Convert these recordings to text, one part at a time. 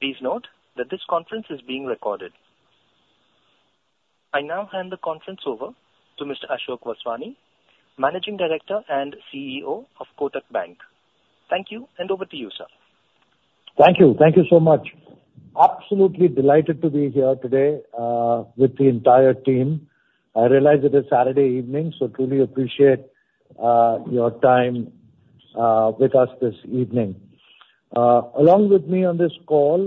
Please note that this conference is being recorded. I now hand the conference over to Mr. Ashok Vaswani, Managing Director and CEO of Kotak Mahindra Bank. Thank you, and over to you, sir. Thank you. Thank you so much. Absolutely delighted to be here today, with the entire team. I realize it is Saturday evening, so truly appreciate your time with us this evening. Along with me on this call,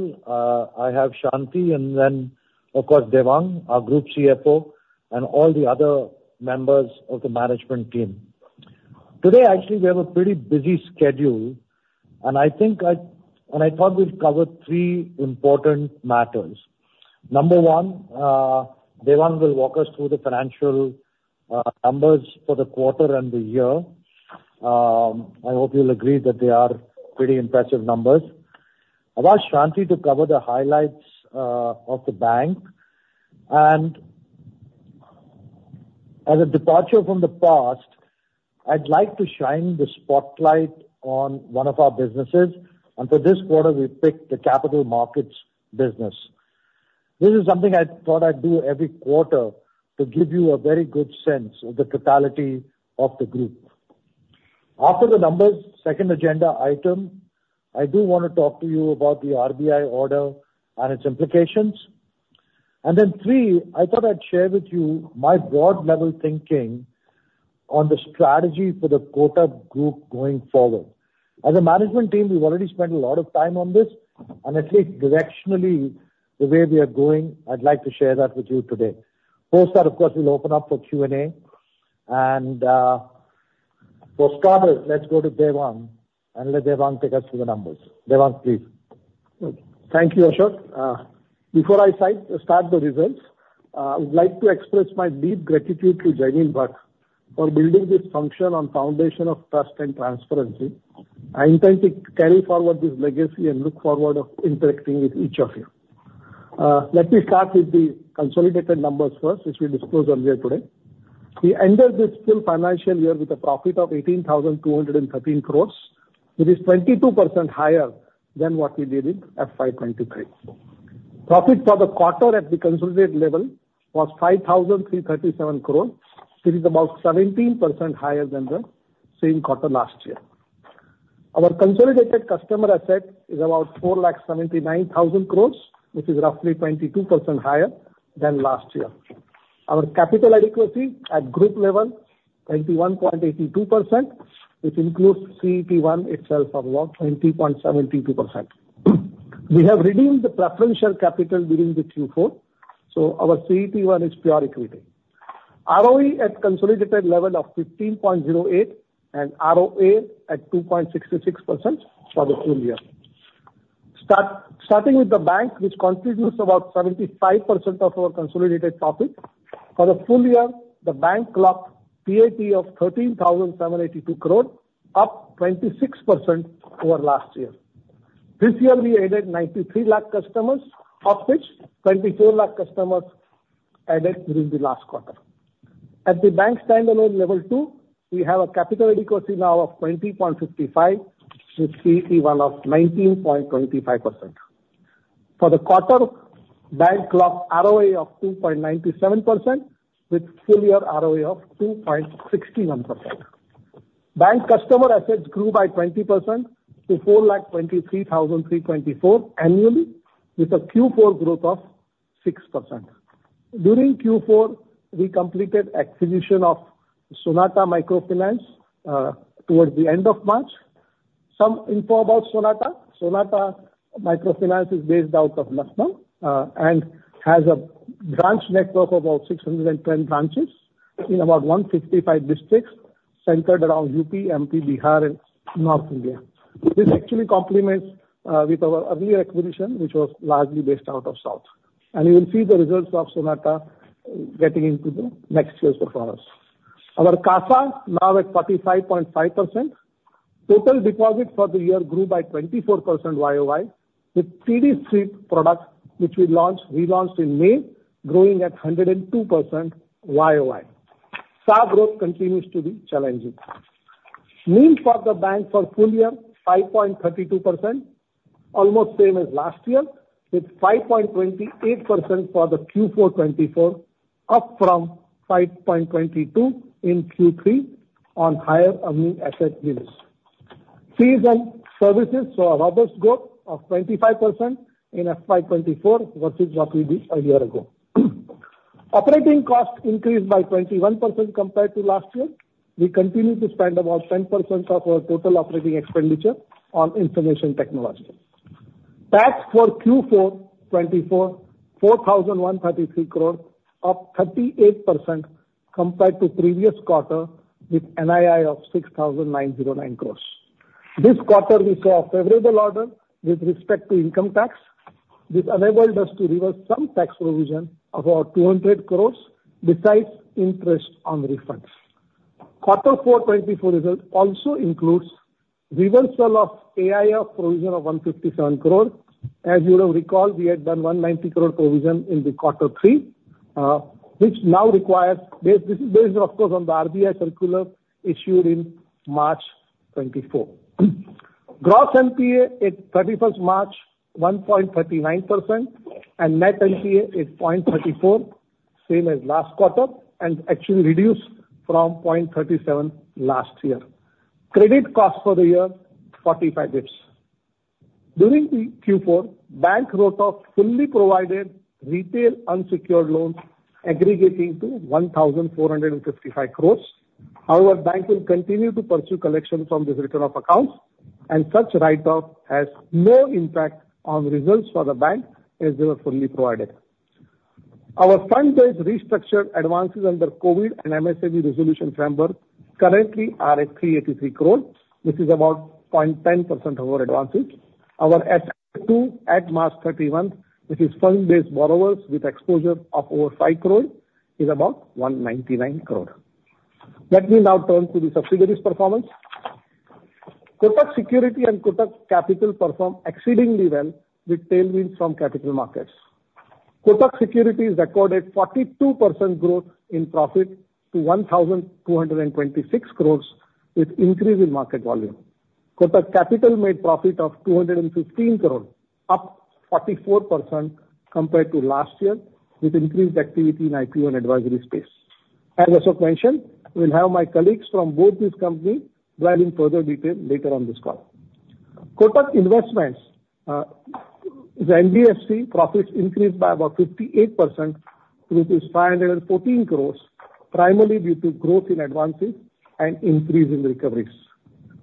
I have Shanti and then, of course, Devang, our group CFO, and all the other members of the management team. Today, actually, we have a pretty busy schedule, and I think I and I thought we'd cover three important matters. Number one, Devang will walk us through the financial numbers for the quarter and the year. I hope you'll agree that they are pretty impressive numbers. I've asked Shanti to cover the highlights of the bank. As a departure from the past, I'd like to shine the spotlight on one of our businesses, and for this quarter, we picked the capital markets business. This is something I thought I'd do every quarter to give you a very good sense of the totality of the group. After the numbers, second agenda item, I do wanna talk to you about the RBI order and its implications. And then three, I thought I'd share with you my broad-level thinking on the strategy for the Kotak group going forward. As a management team, we've already spent a lot of time on this, and at least directionally, the way we are going, I'd like to share that with you today. Post that, of course, we'll open up for Q&A. And, for starters, let's go to Devang and let Devang take us through the numbers. Devang, please. Thank you, Ashok. Before I start the results, I would like to express my deep gratitude to Jaimin Bhatt for building this function on the foundation of trust and transparency. I intend to carry forward this legacy and look forward to interacting with each of you. Let me start with the consolidated numbers first, which we disclosed earlier today. We ended this full financial year with a profit of INR 18,213crore, which is 22% higher than what we did in FY 2023. Profit for the quarter at the consolidated level was INR 5,337crore, which is about 17% higher than the same quarter last year. Our consolidated customer asset is about 479,000 crore, which is roughly 22% higher than last year. Our capital adequacy at group level, 21.82%, which includes CET1 itself of about 20.72%. We have redeemed the preferential capital during the Q4, so our CET1 is pure equity. ROE at consolidated level of 15.08% and ROA at 2.66% for the full year. Starting with the bank, which contributes about 75% of our consolidated profit. For the full year, the bank clocked PAT of 13,782 crore, up 26% over last year. This year, we added 93 lakh customers, of which 24 lakh customers added during the last quarter. At the bank standalone level too, we have a capital adequacy now of 20.55% with CET1 of 19.25%. For the quarter, bank clocked ROA of 2.97% with full-year ROA of 2.61%. Bank customer assets grew by 20% to 423,324 crore annually with a Q4 growth of 6%. During Q4, we completed acquisition of Sonata Microfinance, towards the end of March. Some info about Sonata: Sonata Microfinance is based out of Lucknow, and has a branch network of about 610 branches in about 155 districts centered around UP, MP, Bihar, and North India. This actually complements, with our earlier acquisition, which was largely based out of south. You will see the results of Sonata getting into the next year's performance. Our CASA now at 45.5%. Total deposit for the year grew by 24% YoY with TD sweep product, which we launched relaunched in May, growing at 102% YoY. SA growth continues to be challenging. NIM for the bank for full year, 5.32%, almost same as last year, with 5.28% for the Q4 2024, up from 5.22% in Q3 on higher earning asset yields. Fees and services saw a robust growth of 25% in FY 2024 versus what we did a year ago. Operating cost increased by 21% compared to last year. We continue to spend about 10% of our total operating expenditure on information technology. PAT for Q4 2024, INR 4,133 crore, up 38% compared to previous quarter with NII of 6,909 crores. This quarter, we saw a favorable order with respect to income tax. This enabled us to reverse some tax provision of about 200 crores besides interest on refunds. Q4 2024 result also includes reversal of AIF provision of 157 crore. As you would have recalled, we had done 190 crore provision in the quarter three, which now requires. This is based, of course, on the RBI circular issued in March 2024. Gross NPA at 31st March, 1.39%, and net NPA at 0.34%, same as last quarter, and actually reduced from 0.37% last year. Credit cost for the year, 45 basis points. During the Q4, bank wrote off fully provided retail unsecured loans, aggregating to 1,455 crores. However, bank will continue to pursue collection from this return of accounts, and such write-off has no impact on results for the bank as they were fully provided. Our fund-based restructured advances under COVID and MSME resolution framework currently are at 383 crore. This is about 0.10% of our advances. Our S2 at March 31st, which is fund-based borrowers with exposure of over 5 crore, is about 199 crore. Let me now turn to the subsidiaries performance. Kotak Securities and Kotak Capital perform exceedingly well with tailwinds from capital markets. Kotak Securities recorded 42% growth in profit to 1,226 crores with increase in market volume. Kotak Capital made profit of 215 crore, up 44% compared to last year with increased activity in IPO and advisory space. As Ashok mentioned, we'll have my colleagues from both these companies driving further detail later on this call. Kotak Investments, the NBFC profits increased by about 58%, which is 514 crores, primarily due to growth in advances and increasing recoveries.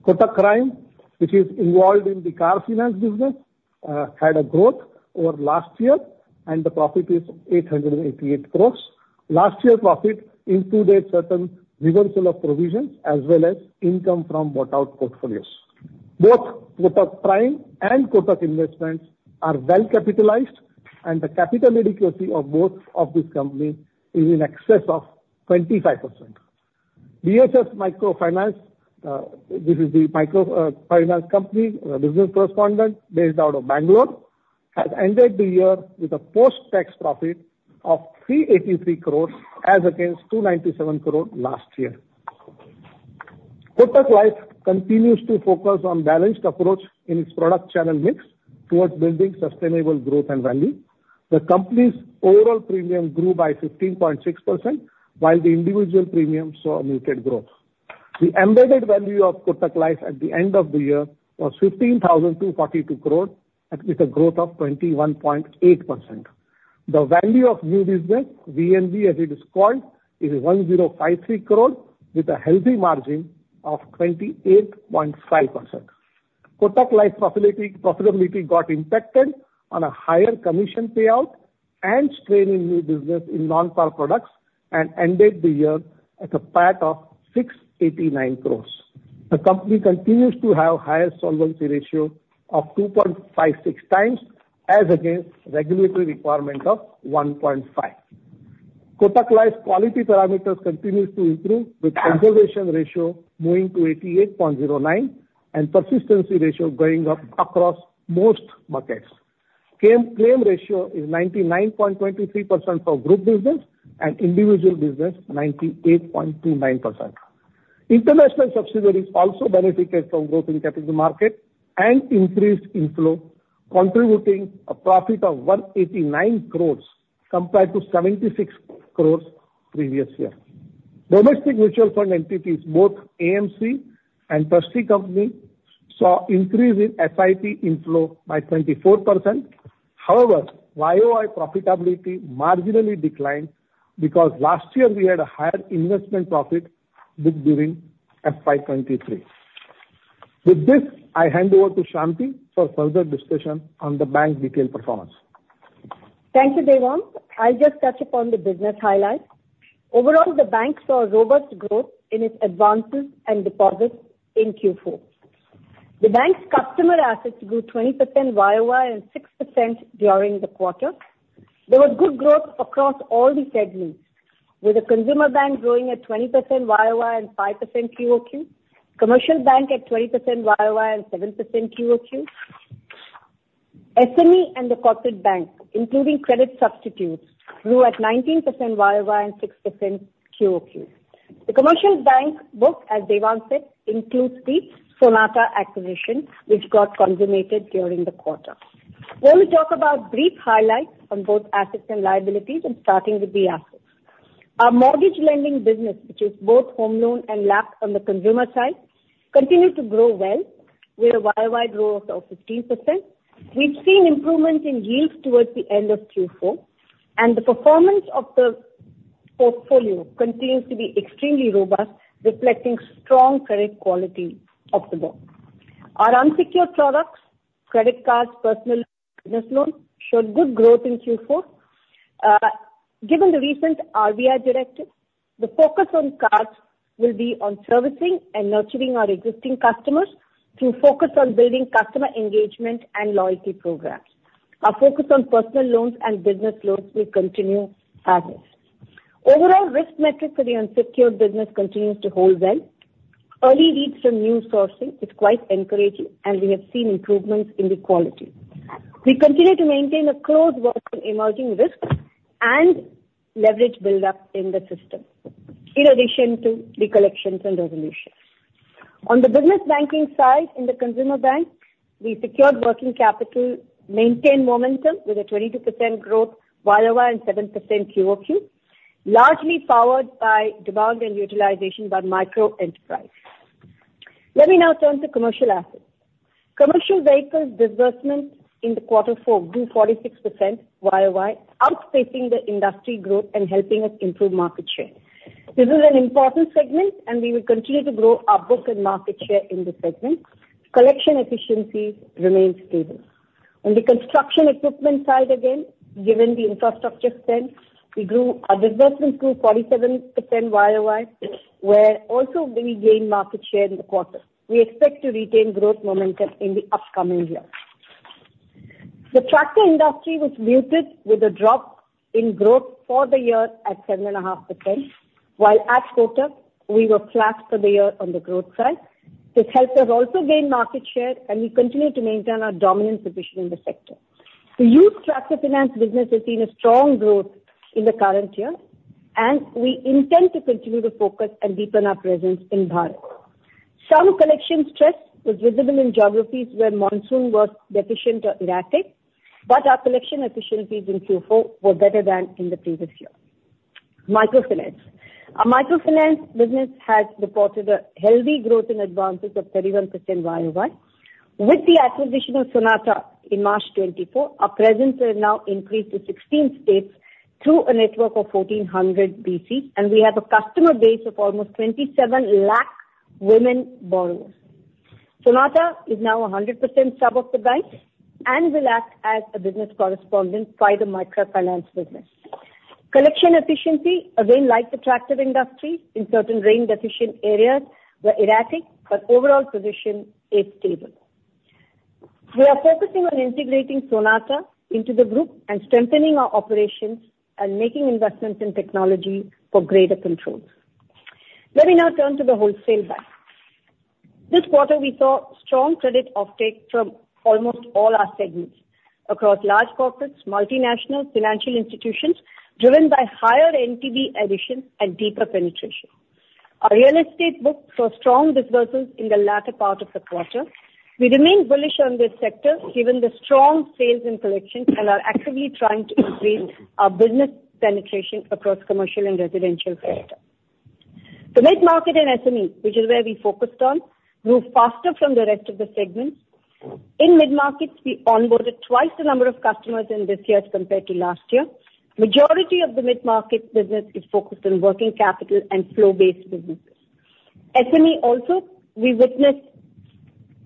Kotak Prime, which is involved in the car finance business, had a growth over last year, and the profit is 888 crore. Last year's profit included certain reversal of provisions as well as income from bought-out portfolios. Both Kotak Prime and Kotak Investments are well capitalized, and the capital adequacy of both of these companies is in excess of 25%. BSS Microfinance, this is the microfinance company, business correspondent based out of Bangalore, has ended the year with a post-tax profit of 383 crore as against 297 crore last year. Kotak Life continues to focus on balanced approach in its product channel mix towards building sustainable growth and value. The company's overall premium grew by 15.6%, while the individual premium saw muted growth. The embedded value of Kotak Life at the end of the year was 15,242 crore, with a growth of 21.8%. The value of new business, VNB as it is called, is 1,053 crore with a healthy margin of 28.5%. Kotak Life profitability got impacted on a higher commission payout and strain in new business in non-par products and ended the year at a PAT of 689 crores. The company continues to have higher solvency ratio of 2.56 times as against regulatory requirement of 1.5. Kotak Life's quality parameters continues to improve with conservation ratio moving to 88.09 and persistency ratio going up across most markets. Claim ratio is 99.23% for group business and individual business 98.29%. International subsidiaries also benefited from growth in capital market and increased inflow, contributing a profit of 189 crores compared to 76 crores previous year. Domestic mutual fund entities, both AMC and trustee company, saw increase in SIP inflow by 24%. However, YoY profitability marginally declined because last year we had a higher investment profit booked during FY23. With this, I hand over to Shanti for further discussion on the bank's detailed performance. Thank you, Devang. I'll just touch upon the business highlights. Overall, the bank saw robust growth in its advances and deposits in Q4. The bank's customer assets grew 20% YoY and 6% during the quarter. There was good growth across all the segments, with a consumer bank growing at 20% YoY and 5% QoQ, commercial bank at 20% YoY and 7% QoQ. SME and the corporate bank, including credit substitutes, grew at 19% YoY and 6% QoQ. The commercial bank book, as Devang said, includes the Sonata acquisition, which got consummated during the quarter. We'll talk about brief highlights on both assets and liabilities, starting with the assets. Our mortgage lending business, which is both home loan and LAP on the consumer side, continued to grow well with a YoY growth of 15%. We've seen improvements in yields towards the end of Q4, and the performance of the portfolio continues to be extremely robust, reflecting strong credit quality of the book. Our unsecured products, credit cards, personal business loans, showed good growth in Q4. Given the recent RBI directive, the focus on cards will be on servicing and nurturing our existing customers through focus on building customer engagement and loyalty programs. Our focus on personal loans and business loans will continue as is. Overall, risk metrics for the unsecured business continues to hold well. Early reads from news sourcing is quite encouraging, and we have seen improvements in the quality. We continue to maintain a close watch on emerging risks and leverage buildup in the system in addition to the collections and resolutions. On the business banking side in the consumer bank, the secured working capital maintained momentum with a 22% growth YoY and 7% QoQ, largely powered by demand and utilization by micro enterprise. Let me now turn to commercial assets. Commercial vehicles disbursement in the quarter four grew 46% YoY, outpacing the industry growth and helping us improve market share. This is an important segment, and we will continue to grow our book and market share in this segment. Collection efficiencies remain stable. On the construction equipment side again, given the infrastructure spend, we grew our disbursements 47% YoY, where also we gained market share in the quarter. We expect to retain growth momentum in the upcoming year. The tractor industry was muted with a drop in growth for the year at 7.5%, while at quarter, we were flat for the year on the growth side. This helped us also gain market share, and we continue to maintain our dominant position in the sector. The used tractor finance business has seen a strong growth in the current year, and we intend to continue to focus and deepen our presence in Bharat. Some collection stress was visible in geographies where monsoon was deficient or erratic, but our collection efficiencies in Q4 were better than in the previous year. Microfinance: our microfinance business has reported a healthy growth in advances of 31% YoY. With the acquisition of Sonata in March 2024, our presence has now increased to 16 states through a network of 1,400 BCs, and we have a customer base of almost 27 lakh women borrowers. Sonata is now 100% sub of the bank and will act as a business correspondent by the microfinance business. Collection efficiency, again, like the tractor industry, in certain rain-deficient areas were erratic, but overall position is stable. We are focusing on integrating Sonata into the group and strengthening our operations and making investments in technology for greater controls. Let me now turn to the wholesale bank. This quarter, we saw strong credit uptake from almost all our segments across large corporates, multinationals, financial institutions, driven by higher NTB additions and deeper penetration. Our real estate book saw strong disbursals in the latter part of the quarter. We remain bullish on this sector given the strong sales and collections and are actively trying to increase our business penetration across commercial and residential sectors. The mid-market and SME, which is where we focused on, grew faster from the rest of the segments. In mid-markets, we onboarded twice the number of customers in this year compared to last year. Majority of the mid-market business is focused on working capital and flow-based businesses. SME also, we witnessed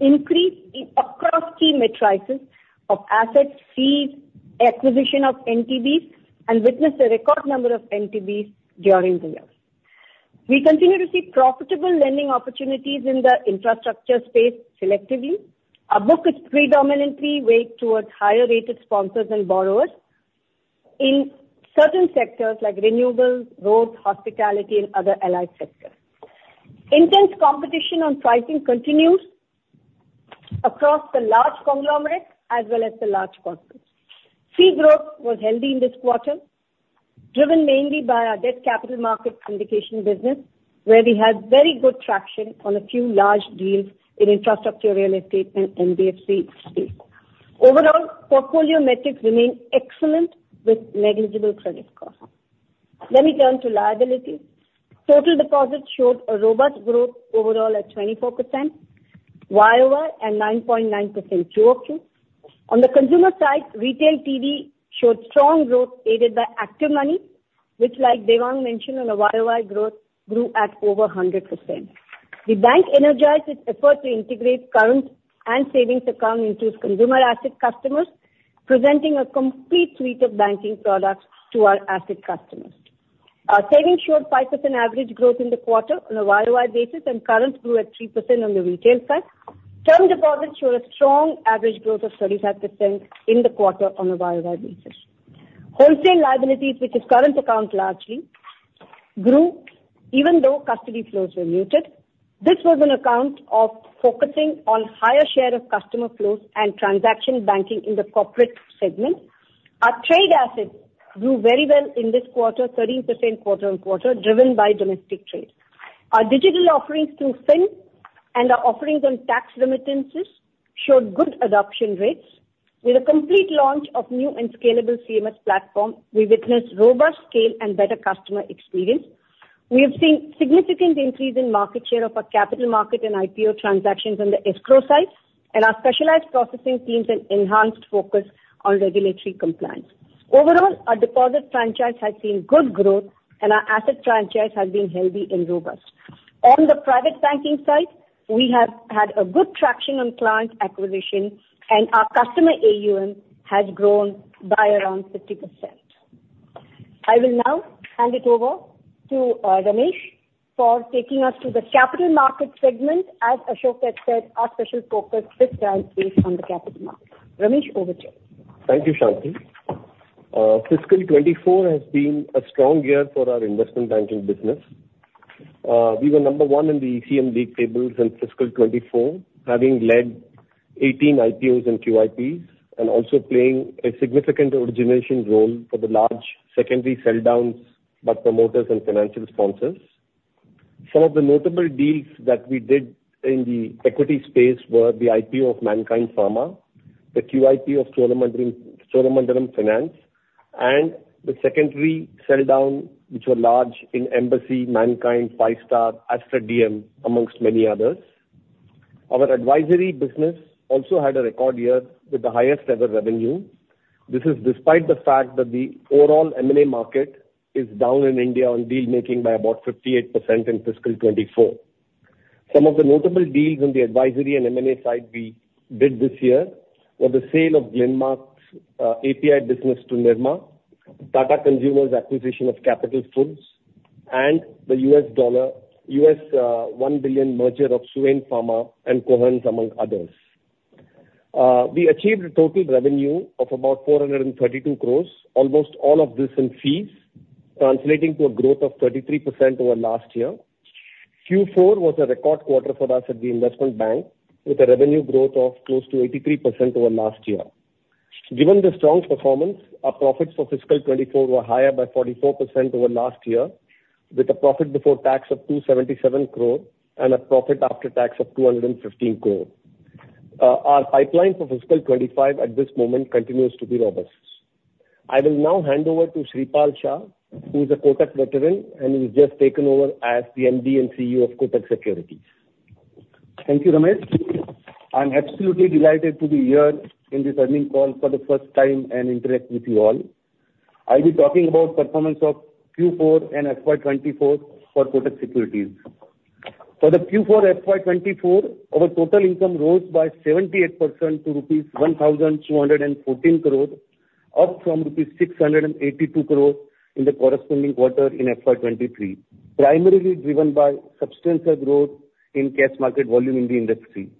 increase in across-key metrics of assets, fees, acquisition of NTBs, and witnessed a record number of NTBs during the year. We continue to see profitable lending opportunities in the infrastructure space selectively. Our book is predominantly weighted towards higher-rated sponsors and borrowers in certain sectors like renewables, roads, hospitality, and other allied sectors. Intense competition on pricing continues across the large conglomerate as well as the large corporates. Fee growth was healthy in this quarter, driven mainly by our debt capital markets indication business, where we had very good traction on a few large deals in infrastructure real estate and NBFC space. Overall, portfolio metrics remain excellent with negligible credit score. Let me turn to liabilities. Total deposits showed a robust growth overall at 24% YoY and 9.9% QoQ. On the consumer side, retail TV showed strong growth aided by ActivMoney, which, like Devang mentioned on a YoY growth, grew at over 100%. The bank energized its effort to integrate current and savings accounts into its consumer asset customers, presenting a complete suite of banking products to our asset customers. Our savings showed 5% average growth in the quarter on a YoY basis, and current grew at 3% on the retail side. Term deposits showed a strong average growth of 35% in the quarter on a YoY basis. Wholesale liabilities, which is current account largely, grew even though custody flows were muted. This was on account of focusing on higher share of customer flows and transaction banking in the corporate segment. Our trade assets grew very well in this quarter, 13% quarter-on-quarter, driven by domestic trade. Our digital offerings through fyn and our offerings on tax remittances showed good adoption rates. With a complete launch of new and scalable CMS platform, we witnessed robust scale and better customer experience. We have seen significant increase in market share of our capital market and IPO transactions on the escrow side and our specialized processing teams and enhanced focus on regulatory compliance. Overall, our deposit franchise has seen good growth, and our asset franchise has been healthy and robust. On the private banking side, we have had a good traction on client acquisition, and our customer AUM has grown by around 50%. I will now hand it over to Ramesh for taking us to the capital market segment. As Ashok had said, our special focus this time is on the capital market. Ramesh, over to you. Thank you, Shanti. Fiscal 2024 has been a strong year for our investment banking business. We were number one in the ECM League tables in fiscal 2024, having led 18 IPOs and QIPs and also playing a significant origination role for the large secondary sell-downs by promoters and financial sponsors. Some of the notable deals that we did in the equity space were the IPO of Mankind Pharma, the QIP of Cholamandalam Finance, and the secondary sell-down, which were large, in Embassy, Mankind, Five Star, Aster DM, amongst many others. Our advisory business also had a record year with the highest-ever revenue. This is despite the fact that the overall M&A market is down in India on dealmaking by about 58% in fiscal 2024. Some of the notable deals on the advisory and M&A side we did this year were the sale of Glenmark's API business to Nirma, Tata Consumer's acquisition of Capital Foods, and the $1 billion merger of Suven Pharma and Cohance, among others. We achieved a total revenue of about 432 crore, almost all of this in fees, translating to a growth of 33% over last year. Q4 was a record quarter for us at the investment bank with a revenue growth of close to 83% over last year. Given the strong performance, our profits for fiscal 2024 were higher by 44% over last year, with a profit before tax of 277 crore and a profit after tax of 215 crore. Our pipeline for fiscal 2025 at this moment continues to be robust. I will now hand over to Shripal Shah, who's a Kotak veteran and who's just taken over as the MD and CEO of Kotak Securities. Thank you, Ramesh. I'm absolutely delighted to be here in this earnings call for the first time and interact with you all. I'll be talking about performance of Q4 and FY24 for Kotak Securities. For the Q4, FY24, our total income rose by 78% to rupees 1,214 crore, up from rupees 682 crore in the corresponding quarter in FY23, primarily driven by substantial growth in cash market volume in the industry.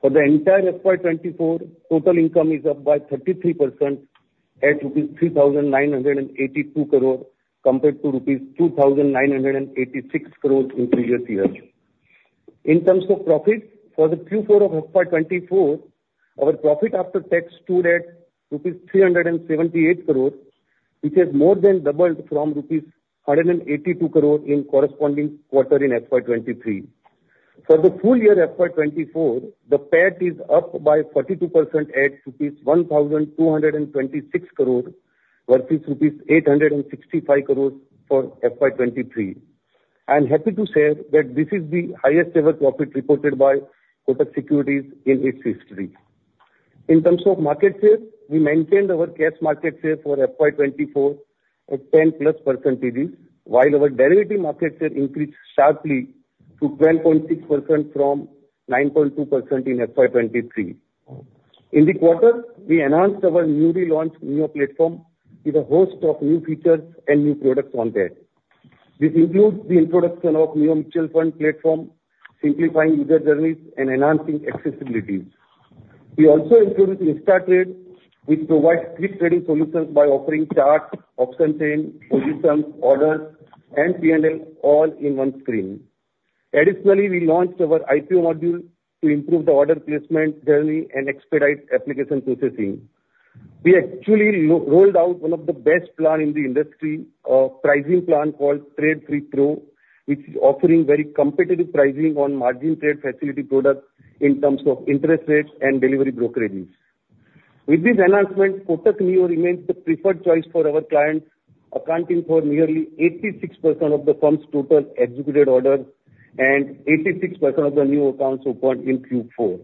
For the entire FY24, total income is up by 33% at rupees 3,982 crore compared to rupees 2,986 crore in previous years. In terms of profits, for the Q4 of FY24, our profit after tax stood at rupees 378 crore, which has more than doubled from rupees 182 crore in corresponding quarter in FY23. For the full year FY24, the PAT is up by 42% at rupees 1,226 crore versus 865 crore for FY23. I'm happy to say that this is the highest-ever profit reported by Kotak Securities in its history. In terms of market share, we maintained our cash market share for FY24 at 10%+, while our derivative market share increased sharply to 12.6% from 9.2% in FY23. In the quarter, we announced our newly launched Neo platform with a host of new features and new products on there. This includes the introduction of Neo Mutual Fund platform, simplifying user journeys and enhancing accessibility. We also introduced InstaTrade, which provides quick trading solutions by offering charts, option chain, positions, orders, and P&L all in one screen. Additionally, we launched our IPO module to improve the order placement journey and expedite application processing. We actually rolled out one of the best plans in the industry, a pricing plan called Trade Free Pro, which is offering very competitive pricing on margin trade facility products in terms of interest rates and delivery brokerages. With this announcement, Kotak Neo remains the preferred choice for our clients, accounting for nearly 86% of the firm's total executed orders and 86% of the new accounts opened in Q4.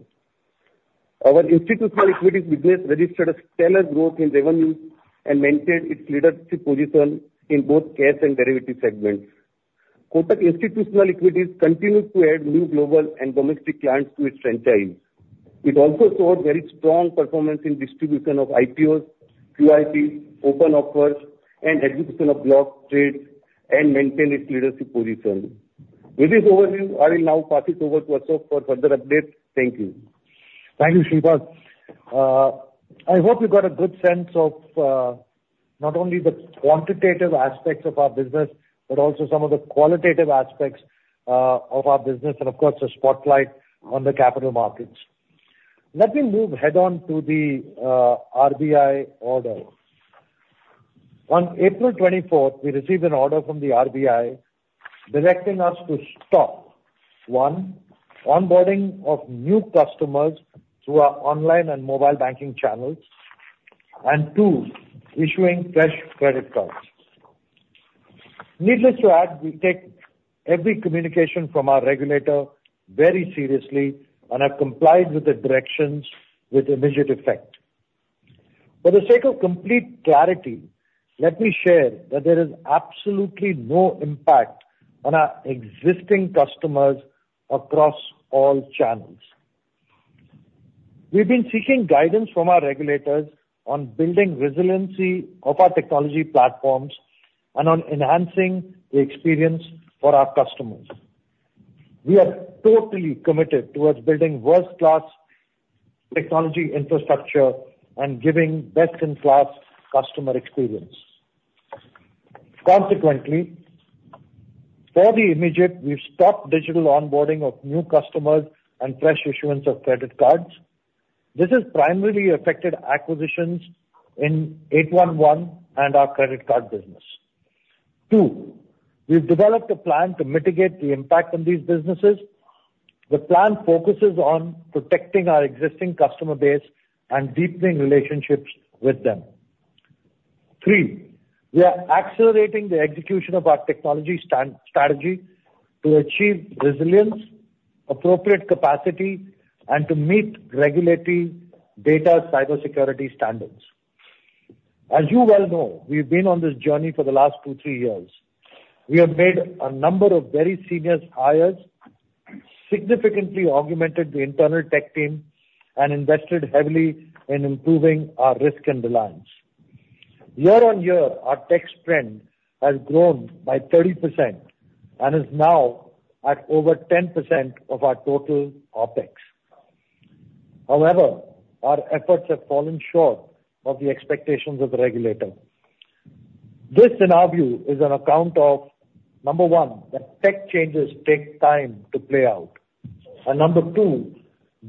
Our institutional equities business registered a stellar growth in revenues and maintained its leadership position in both cash and derivative segments. Kotak institutional equities continued to add new global and domestic clients to its franchise. It also showed very strong performance in distribution of IPOs, QIPs, open offers, and execution of block trades, and maintained its leadership position. With this overview, I will now pass it over to Ashok for further updates. Thank you. Thank you, Shripal. I hope you got a good sense of, not only the quantitative aspects of our business but also some of the qualitative aspects of our business and, of course, a spotlight on the capital markets. Let me move head-on to the RBI order. On April 24th, we received an order from the RBI directing us to stop, one, onboarding of new customers through our online and mobile banking channels, and two, issuing fresh credit cards. Needless to add, we take every communication from our regulator very seriously, and have complied with the directions with immediate effect. For the sake of complete clarity, let me share that there is absolutely no impact on our existing customers across all channels. We've been seeking guidance from our regulators on building resiliency of our technology platforms and on enhancing the experience for our customers. We are totally committed towards building first-class technology infrastructure and giving best-in-class customer experience. Consequently, for the immediate, we've stopped digital onboarding of new customers and fresh issuance of credit cards. This has primarily affected 811 and our credit card business. Two, we've developed a plan to mitigate the impact on these businesses. The plan focuses on protecting our existing customer base and deepening relationships with them. Three, we are accelerating the execution of our technology strategy to achieve resilience, appropriate capacity, and to meet regulatory data cybersecurity standards. As you well know, we've been on this journey for the last two, three years. We have made a number of very senior hires, significantly augmented the internal tech team, and invested heavily in improving our risk and resilience. Year-on-year, our tech spend has grown by 30% and is now at over 10% of our total OPEX. However, our efforts have fallen short of the expectations of the regulator. This, in our view, is an account of, number one, that tech changes take time to play out, and number two,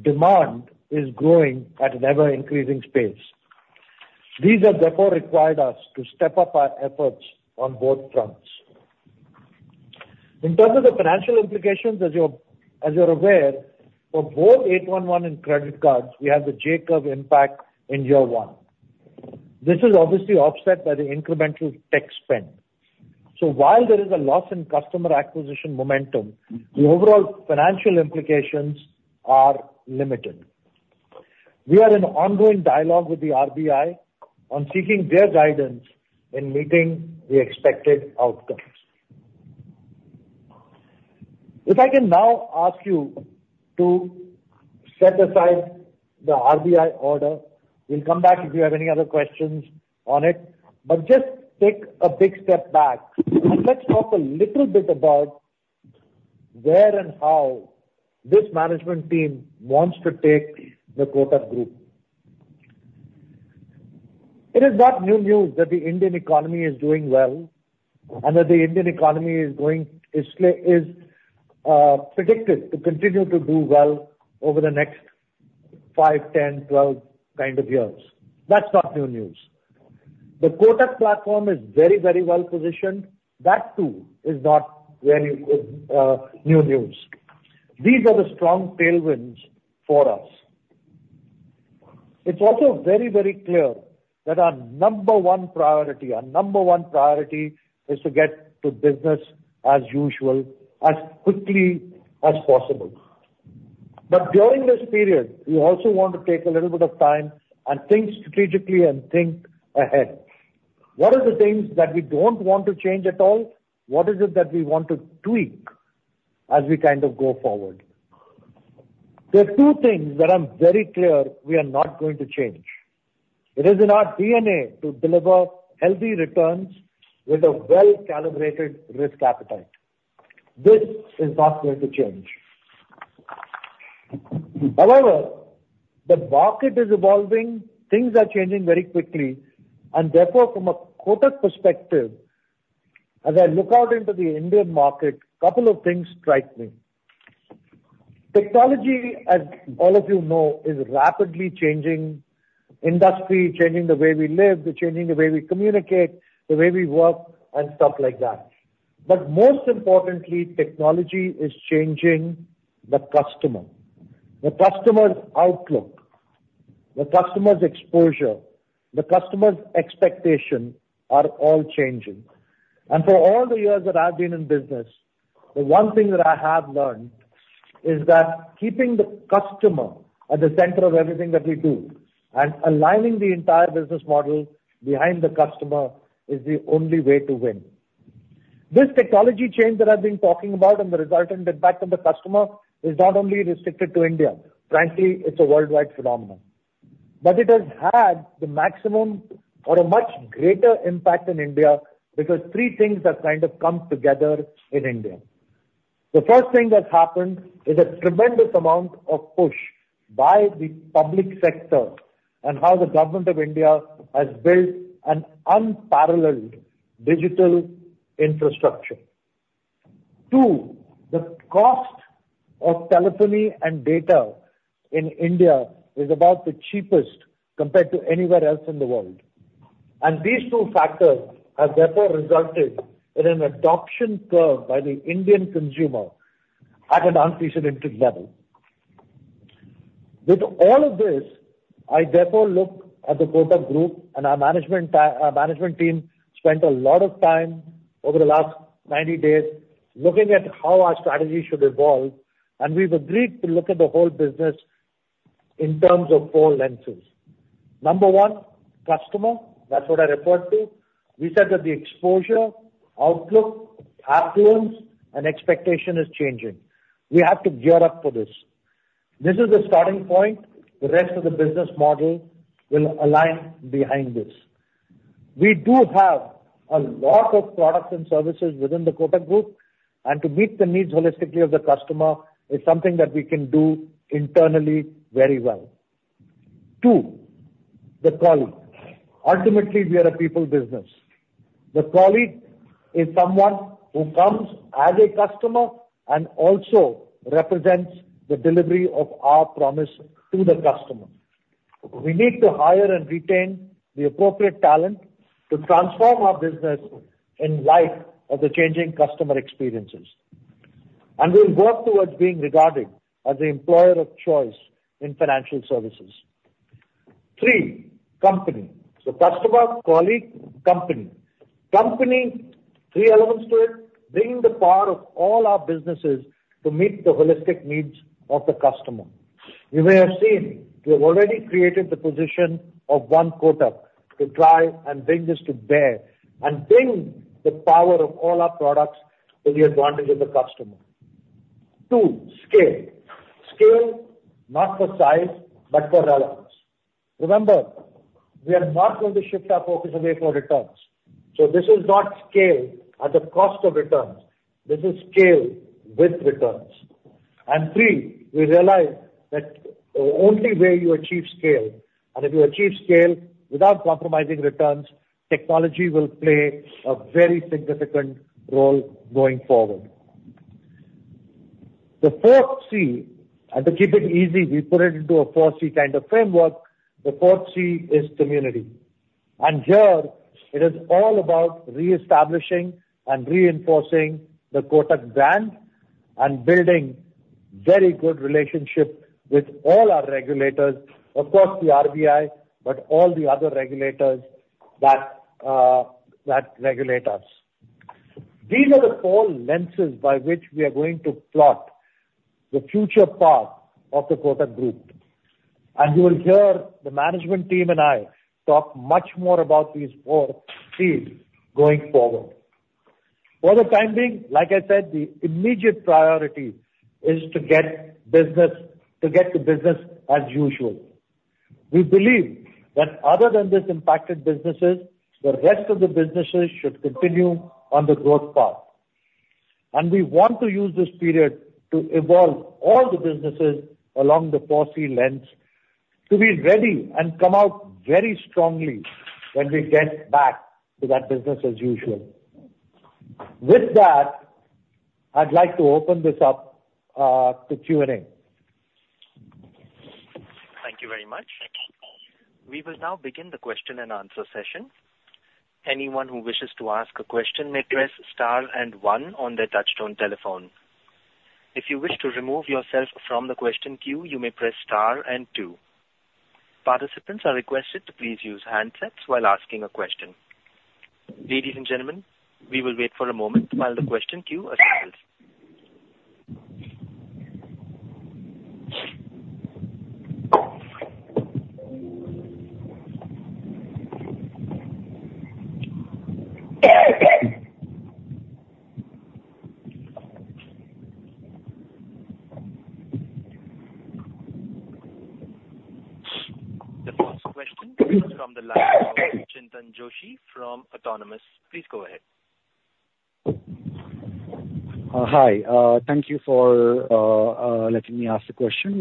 demand is growing at an ever-increasing pace. These have, therefore, required us to step up our efforts on both fronts. In terms of the financial implications, as you're aware, for both 811 and credit cards, we have the J-curve impact in year one. This is obviously offset by the incremental tech spend. So while there is a loss in customer acquisition momentum, the overall financial implications are limited. We are in ongoing dialogue with the RBI on seeking their guidance in meeting the expected outcomes. If I can now ask you to set aside the RBI order, we'll come back if you have any other questions on it. But just take a big step back, and let's talk a little bit about where and how this management team wants to take the Kotak Group. It is not new news that the Indian economy is doing well and that the Indian economy is going, is predicted to continue to do well over the next five, 10, 12 kind of years. That's not new news. The Kotak platform is very, very well positioned. That, too, is not very new news. These are the strong tailwinds for us. It's also very, very clear that our number one priority is to get to business as usual as quickly as possible. But during this period, we also want to take a little bit of time and think strategically and think ahead. What are the things that we don't want to change at all? What is it that we want to tweak as we kind of go forward? There are two things that I'm very clear we are not going to change. It is in our DNA to deliver healthy returns with a well-calibrated risk appetite. This is not going to change. However, the market is evolving. Things are changing very quickly. Therefore, from a Kotak perspective, as I look out into the Indian market, a couple of things strike me. Technology, as all of you know, is rapidly changing industry, changing the way we live, changing the way we communicate, the way we work, and stuff like that. But most importantly, technology is changing the customer, the customer's outlook, the customer's exposure, the customer's expectations are all changing. For all the years that I've been in business, the one thing that I have learned is that keeping the customer at the center of everything that we do and aligning the entire business model behind the customer is the only way to win. This technology change that I've been talking about and the resultant impact on the customer is not only restricted to India. Frankly, it's a worldwide phenomenon. But it has had the maximum or a much greater impact in India because three things have kind of come together in India. The first thing that's happened is a tremendous amount of push by the public sector and how the government of India has built an unparalleled digital infrastructure. Two, the cost of telephony and data in India is about the cheapest compared to anywhere else in the world. These two factors have, therefore, resulted in an adoption curve by the Indian consumer at an unprecedented level. With all of this, I, therefore, look at the Kotak Group, and our management team spent a lot of time over the last 90 days looking at how our strategy should evolve. We've agreed to look at the whole business in terms of four lenses. Number one, customer. That's what I referred to. We said that the exposure, outlook, affluence, and expectation is changing. We have to gear up for this. This is the starting point. The rest of the business model will align behind this. We do have a lot of products and services within the Kotak Group. To meet the needs holistically of the customer is something that we can do internally very well. Two, the colleague. Ultimately, we are a people business. The colleague is someone who comes as a customer and also represents the delivery of our promise to the customer. We need to hire and retain the appropriate talent to transform our business in light of the changing customer experiences. We'll work towards being regarded as the employer of choice in financial services. Three, company. So customer, colleague, company. Company, three elements to it: bringing the power of all our businesses to meet the holistic needs of the customer. You may have seen we have already created the position of One Kotak to try and bring this to bear and bring the power of all our products to the advantage of the customer. Two, scale. Scale, not for size but for relevance. Remember, we are not going to shift our focus away from returns. This is not scale at the cost of returns. This is scale with returns. Three, we realize that the only way you achieve scale and if you achieve scale without compromising returns, technology will play a very significant role going forward. The fourth C, and to keep it easy, we put it into a four C kind of framework. The fourth C is community. And here, it is all about reestablishing and reinforcing the Kotak brand and building very good relationships with all our regulators, of course, the RBI, but all the other regulators that regulate us. These are the four lenses by which we are going to plot the future path of the Kotak Group. You will hear the management team and I talk much more about these four Cs going forward. For the time being, like I said, the immediate priority is to get business to get to business as usual. We believe that other than this impacted businesses, the rest of the businesses should continue on the growth path. And we want to use this period to evolve all the businesses along the four C lens to be ready and come out very strongly when we get back to that business as usual. With that, I'd like to open this up to Q&A. Thank you very much. We will now begin the question and answer session. Anyone who wishes to ask a question may press star and one on their touch-tone telephone. If you wish to remove yourself from the question queue, you may press star and two. Participants are requested to please use handsets while asking a question. Ladies and gentlemen, we will wait for a moment while the question queue assembles. The first question comes from the live call, Chintan Joshi from Autonomous Research. Please go ahead. Hi. Thank you for letting me ask the question.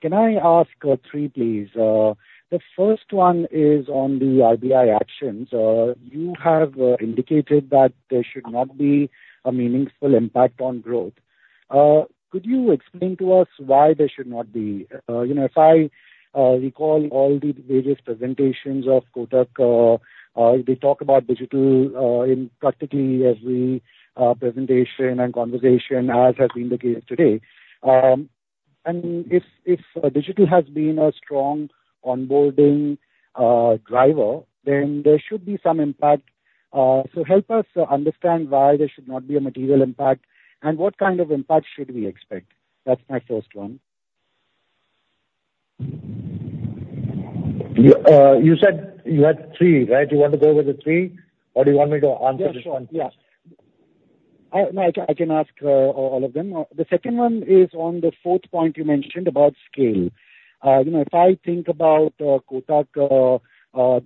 Can I ask three, please? The first one is on the RBI actions. You have indicated that there should not be a meaningful impact on growth. Could you explain to us why there should not be? If I recall all the various presentations of Kotak, they talk about digital in practically every presentation and conversation, as has been the case today. And if digital has been a strong onboarding driver, then there should be some impact. So help us understand why there should not be a material impact and what kind of impact should we expect. That's my first one. You said you had three, right? You want to go over the three, or do you want me to answer Just one question? Yeah. No, I can ask all of them. The second one is on the fourth point you mentioned about scale. If I think about Kotak,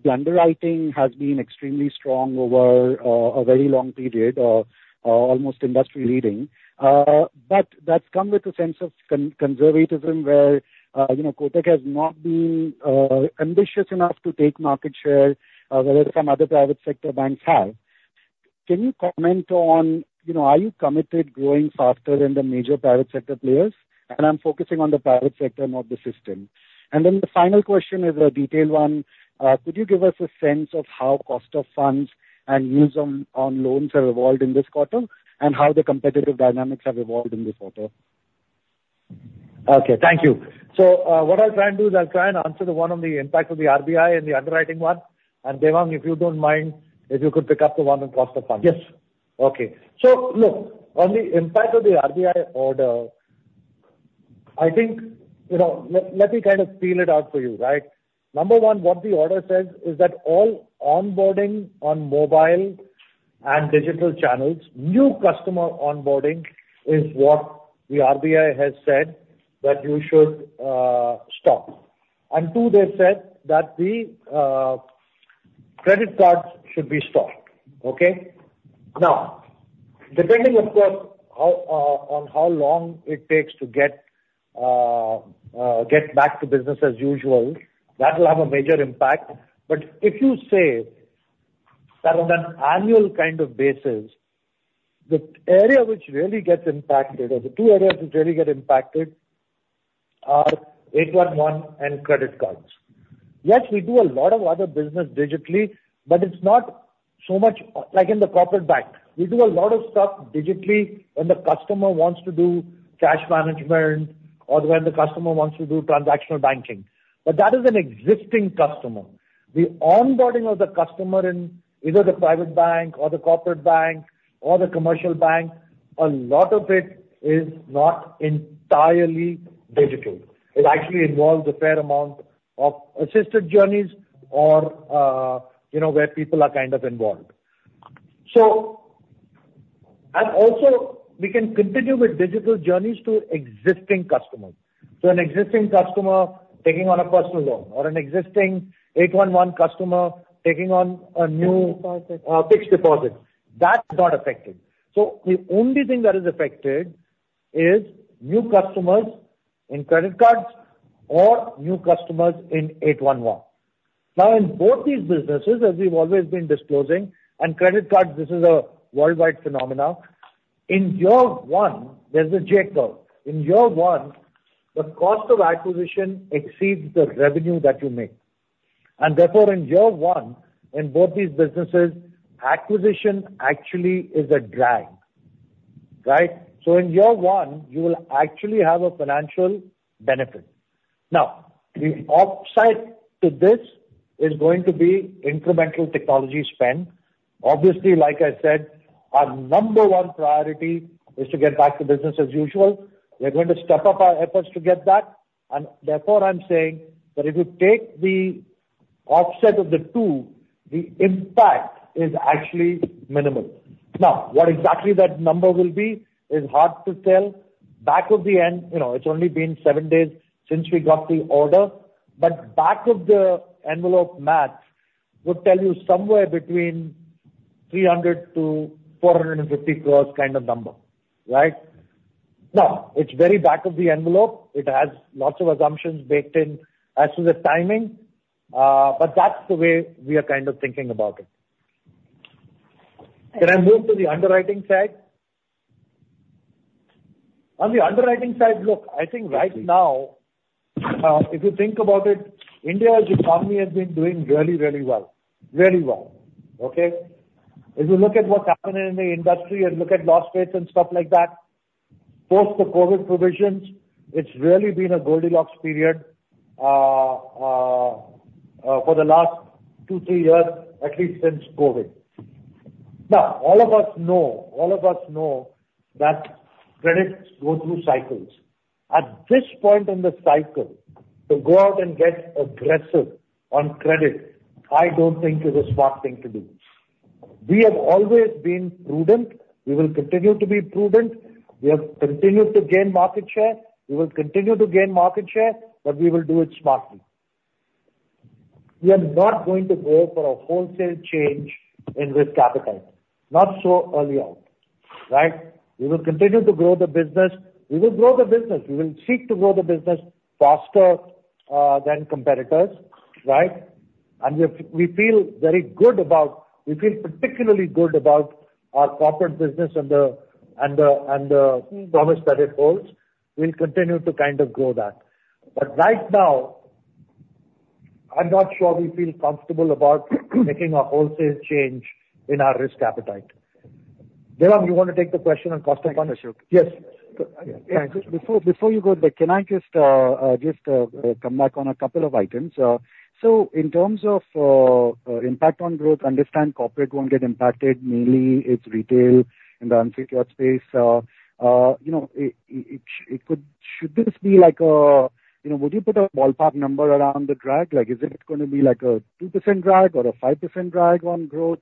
underwriting has been extremely strong over a very long period, almost industry-leading. But that's come with a sense of conservatism where Kotak has not been ambitious enough to take market share whereas some other private sector banks have. Can you comment on, are you committed growing faster than the major private sector players? And I'm focusing on the private sector, not the system. And then the final question is a detailed one. Could you give us a sense of how cost of funds and yields on loans have evolved in this quarter and how the competitive dynamics have evolved in this quarter? Okay. Thank you. So what I'll try and do is I'll try and answer the one on the impact of the RBI and the underwriting one. Devang, if you don't mind, if you could pick up the one on cost of funds. Yes. Okay. So look, on the impact of the RBI order, I think let me kind of spell it out for you, right? Number one, what the order says is that all onboarding on mobile and digital channels, new customer onboarding, is what the RBI has said that you should stop. And two, they've said that the credit cards should be stopped. Okay? Now, depending, of course, on how long it takes to get back to business as usual, that will have a major impact. But if you say that on an annual kind of basis, the area which really gets impacted or the two areas which really get 811 and credit cards. Yes, we do a lot of other business digitally, but it's not so much like in the corporate bank. We do a lot of stuff digitally when the customer wants to do cash management or when the customer wants to do transactional banking. But that is an existing customer. The onboarding of the customer in either the private bank or the corporate bank or the commercial bank, a lot of it is not entirely digital. It actually involves a fair amount of assisted journeys or where people are kind of involved. So also, we can continue with digital journeys to existing customers. So an existing customer taking on a personal loan or 811 customer taking on a new. Fixed deposit. Fixed deposit. That's not affected. So the only thing that is affected is new customers in credit cards or new 811. now, in both these businesses, as we've always been disclosing, and credit cards, this is a worldwide phenomenon, in year one, there's a J-curve. In year one, the cost of acquisition exceeds the revenue that you make. And therefore, in year one, in both these businesses, acquisition actually is a drag, right? So in year one, you will actually have a financial benefit. Now, the offset to this is going to be incremental technology spend. Obviously, like I said, our number one priority is to get back to business as usual. We're going to step up our efforts to get that. And therefore, I'm saying that if you take the offset of the two, the impact is actually minimalseven Now, what exactly that number will be is hard to tell. Back of the envelope, it's only been seven days since we got the order. But back of the envelope math would tell you somewhere between 300 crore-450 crore kind of number, right? Now, it's very back of the envelope. It has lots of assumptions baked in as to the timing. But that's the way we are kind of thinking about it. Can I move to the underwriting side? On the underwriting side, look, I think right now, if you think about it, India's economy has been doing really, really well, really well. Okay? If you look at what's happening in the industry and look at loss rates and stuff like that, post the COVID provisions, it's really been a Goldilocks period for the last two, three years, at least since COVID. Now, all of us know all of us know that credits go through cycles. At this point in the cycle, to go out and get aggressive on credit, I don't think is a smart thing to do. We have always been prudent. We will continue to be prudent. We have continued to gain market share. We will continue to gain market share, but we will do it smartly. We are not going to go for a wholesale change in risk appetite, not so early out, right? We will continue to grow the business. We will grow the business. We will seek to grow the business faster than competitors, right? We feel very good about we feel particularly good about our corporate business and the promise that it holds. We'll continue to kind of grow that. But right now, I'm not sure we feel comfortable about making a wholesale change in our risk appetite. Devang, you want to take the question on cost of funds? Yes. Before you go there, can I just come back on a couple of items? So in terms of impact on growth, understand corporate won't get impacted. Mainly, it's retail in the unsecured space. Should this be like a would you put a ballpark number around the drag? Is it going to be like a 2% drag or a 5% drag on growth?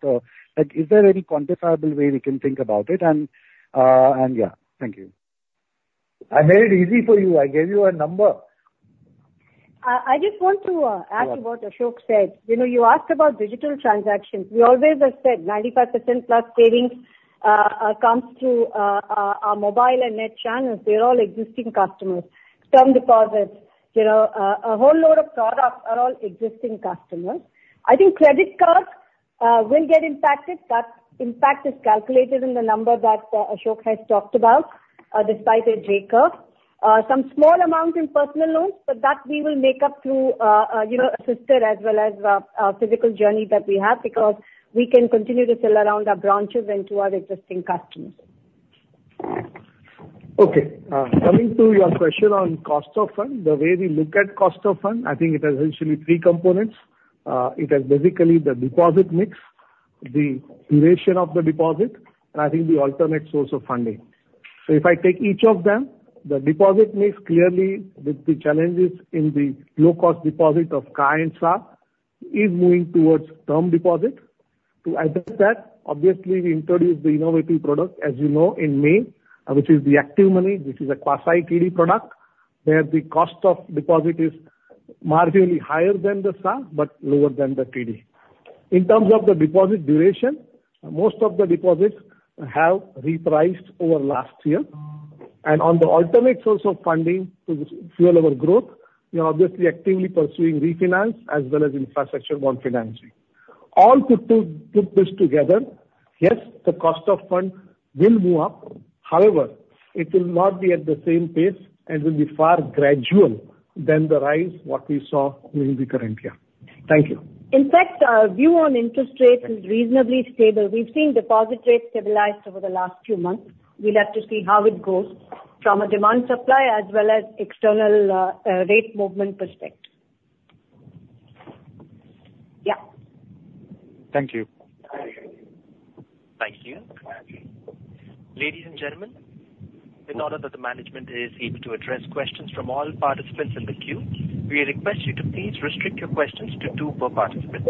Is there any quantifiable way we can think about it? And yeah, thank you. I made it easy for you. I gave you a number. I just want to ask about Ashok said. You asked about digital transactions. We always have said 95%+ savings comes through our mobile and net channels. They're all existing customers. Term deposits, a whole load of products are all existing customers. I think credit cards will get impacted. That impact is calculated in the number that Ashok has talked about despite a J-curve. Some small amount in personal loans, but that we will make up through a sister as well as our physical journey that we have because we can continue to sell around our branches and to our existing customers. Okay. Coming to your question on cost of funds, the way we look at cost of funds, I think it has essentially three components. It has basically the deposit mix, the duration of the deposit, and I think the alternate source of funding. So if I take each of them, the deposit mix clearly with the challenges in the low-cost deposit of CASA is moving towards term deposit. To address that, obviously, we introduced the innovative product, as you know, in May, which is the ActivMoney. This is a quasi-TD product where the cost of deposit is marginally higher than the SA but lower than the TD. In terms of the deposit duration, most of the deposits have repriced over last year. On the alternate source of funding to fuel our growth, we are obviously actively pursuing refinance as well as infrastructure bond financing. All put together, yes, the cost of funds will move up. However, it will not be at the same pace and will be far more gradual than the rise that we saw during the current year. Thank you. In fact, view on interest rates is reasonably stable. We've seen deposit rates stabilized over the last few months. We'll have to see how it goes from a demand-supply as well as external rate movement perspective. Yeah. Thank you. Thank you. Ladies and gentlemen, in order that the management is able to address questions from all participants in the queue, we request you to please restrict your questions to two per participant.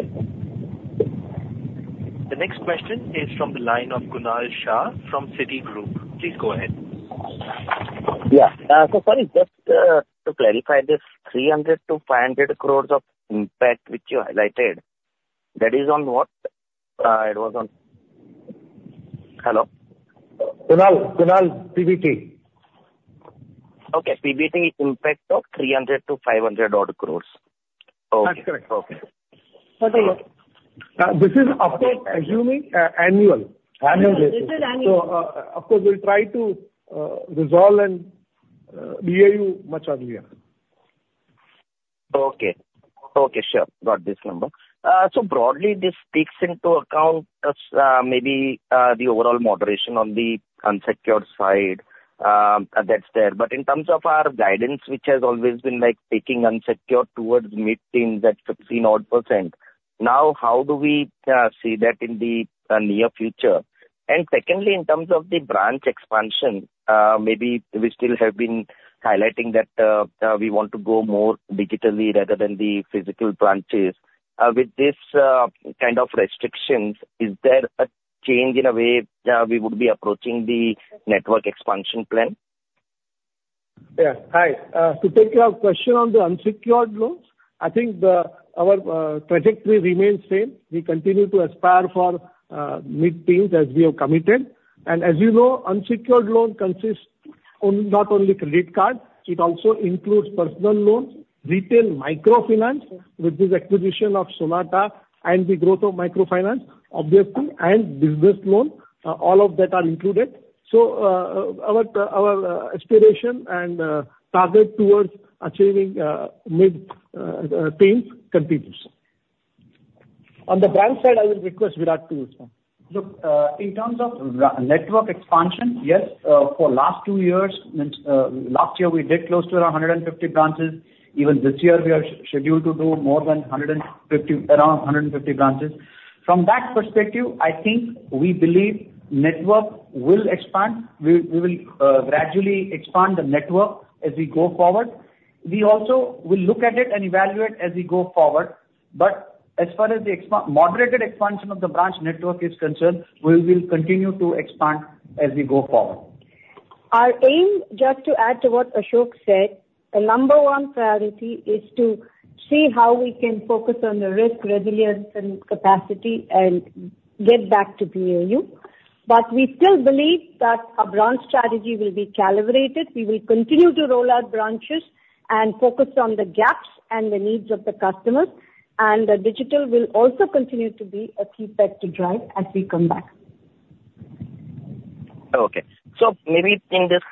The next question is from the line of Kunal Shah from Citigroup. Please go ahead. Yeah. So sorry, just to clarify this, 300 crore-500 crore of impact which you highlighted, that is on what? It was on hello? Kunal PBT. Okay. PBT impact of 300-500-odd crores. Okay. That's correct. Okay. This is, of course, assuming annual. Annual basis. This is annual. Of course, we'll try to resolve and BAU much earlier. Okay. Okay. Sure. Got this number. So broadly, this takes into account maybe the overall moderation on the unsecured side. That's there. But in terms of our guidance, which has always been taking unsecured towards mid-teens at 15-odd%, now how do we see that in the near future? And secondly, in terms of the branch expansion, maybe we still have been highlighting that we want to go more digitally rather than the physical branches. With this kind of restrictions, is there a change in a way we would be approaching the network expansion plan? Yeah. Hi. To take your question on the unsecured loans, I think our trajectory remains same. We continue to aspire for mid-teens as we have committed. And as you know, unsecured loan consists not only of credit cards. It also includes personal loans, retail microfinance with this acquisition of Sonata and the growth of microfinance, obviously, and business loan. All of that are included. So our aspiration and target towards achieving mid-teens continues. On the branch side, I will request Virat to look. Look, in terms of network expansion, yes, for last two years, last year, we did close to around 150 branches. Even this year, we are scheduled to do more than around 150 branches. From that perspective, I think we believe network will expand. We will gradually expand the network as we go forward. We also will look at it and evaluate as we go forward. But as far as the moderated expansion of the branch network is concerned, we will continue to expand as we go forward. Our aim, just to add to what Ashok said, the number one priority is to see how we can focus on the risk resilience and capacity and get back to BAU. But we still believe that our branch strategy will be calibrated. We will continue to roll out branches and focus on the gaps and the needs of the customers. The digital will also continue to be a key factor drive as we come back. Okay. So maybe in this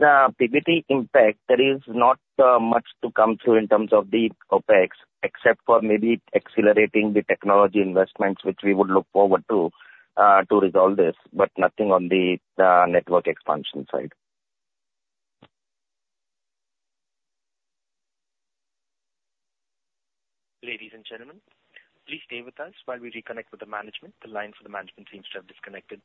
PBT impact, there is not much to come through in terms of the OPEX except for maybe accelerating the technology investments which we would look forward to to resolve this, but nothing on the network expansion side. Ladies and gentlemen, please stay with us while we reconnect with the management. The line for the management seems to have disconnected.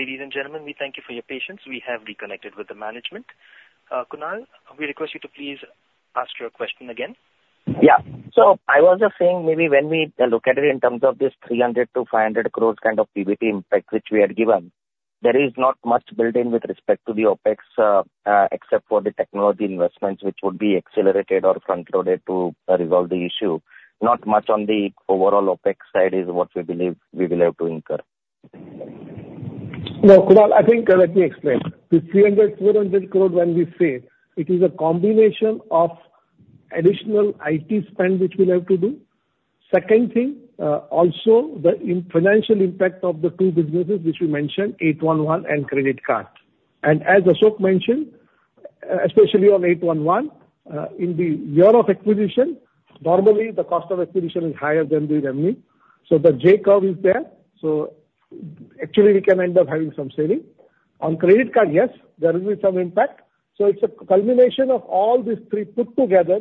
Ladies and gentlemen, we thank you for your patience. We have reconnected with the management. Kunal, we request you to please ask your question again. Yeah. So I was just saying maybe when we look at it in terms of this 300 crore-500 crore kind of PBT impact which we had given, there is not much built-in with respect to the OPEX except for the technology investments which would be accelerated or front-loaded to resolve the issue. Not much on the overall OPEX side is what we believe we will have to incur. Now, Kunal, I think let me explain. The 300 crore-400 crore when we say, it is a combination of additional IT spend which we'll have to do. Second thing, also, the financial impact of the two businesses which 811 and credit card. And as Ashok mentioned, 811, in the year of acquisition, normally, the cost of acquisition is higher than the revenue. So the J-curve is there. So actually, we can end up having some savings. On credit card, yes, there will be some impact. So it's a culmination of all these three put together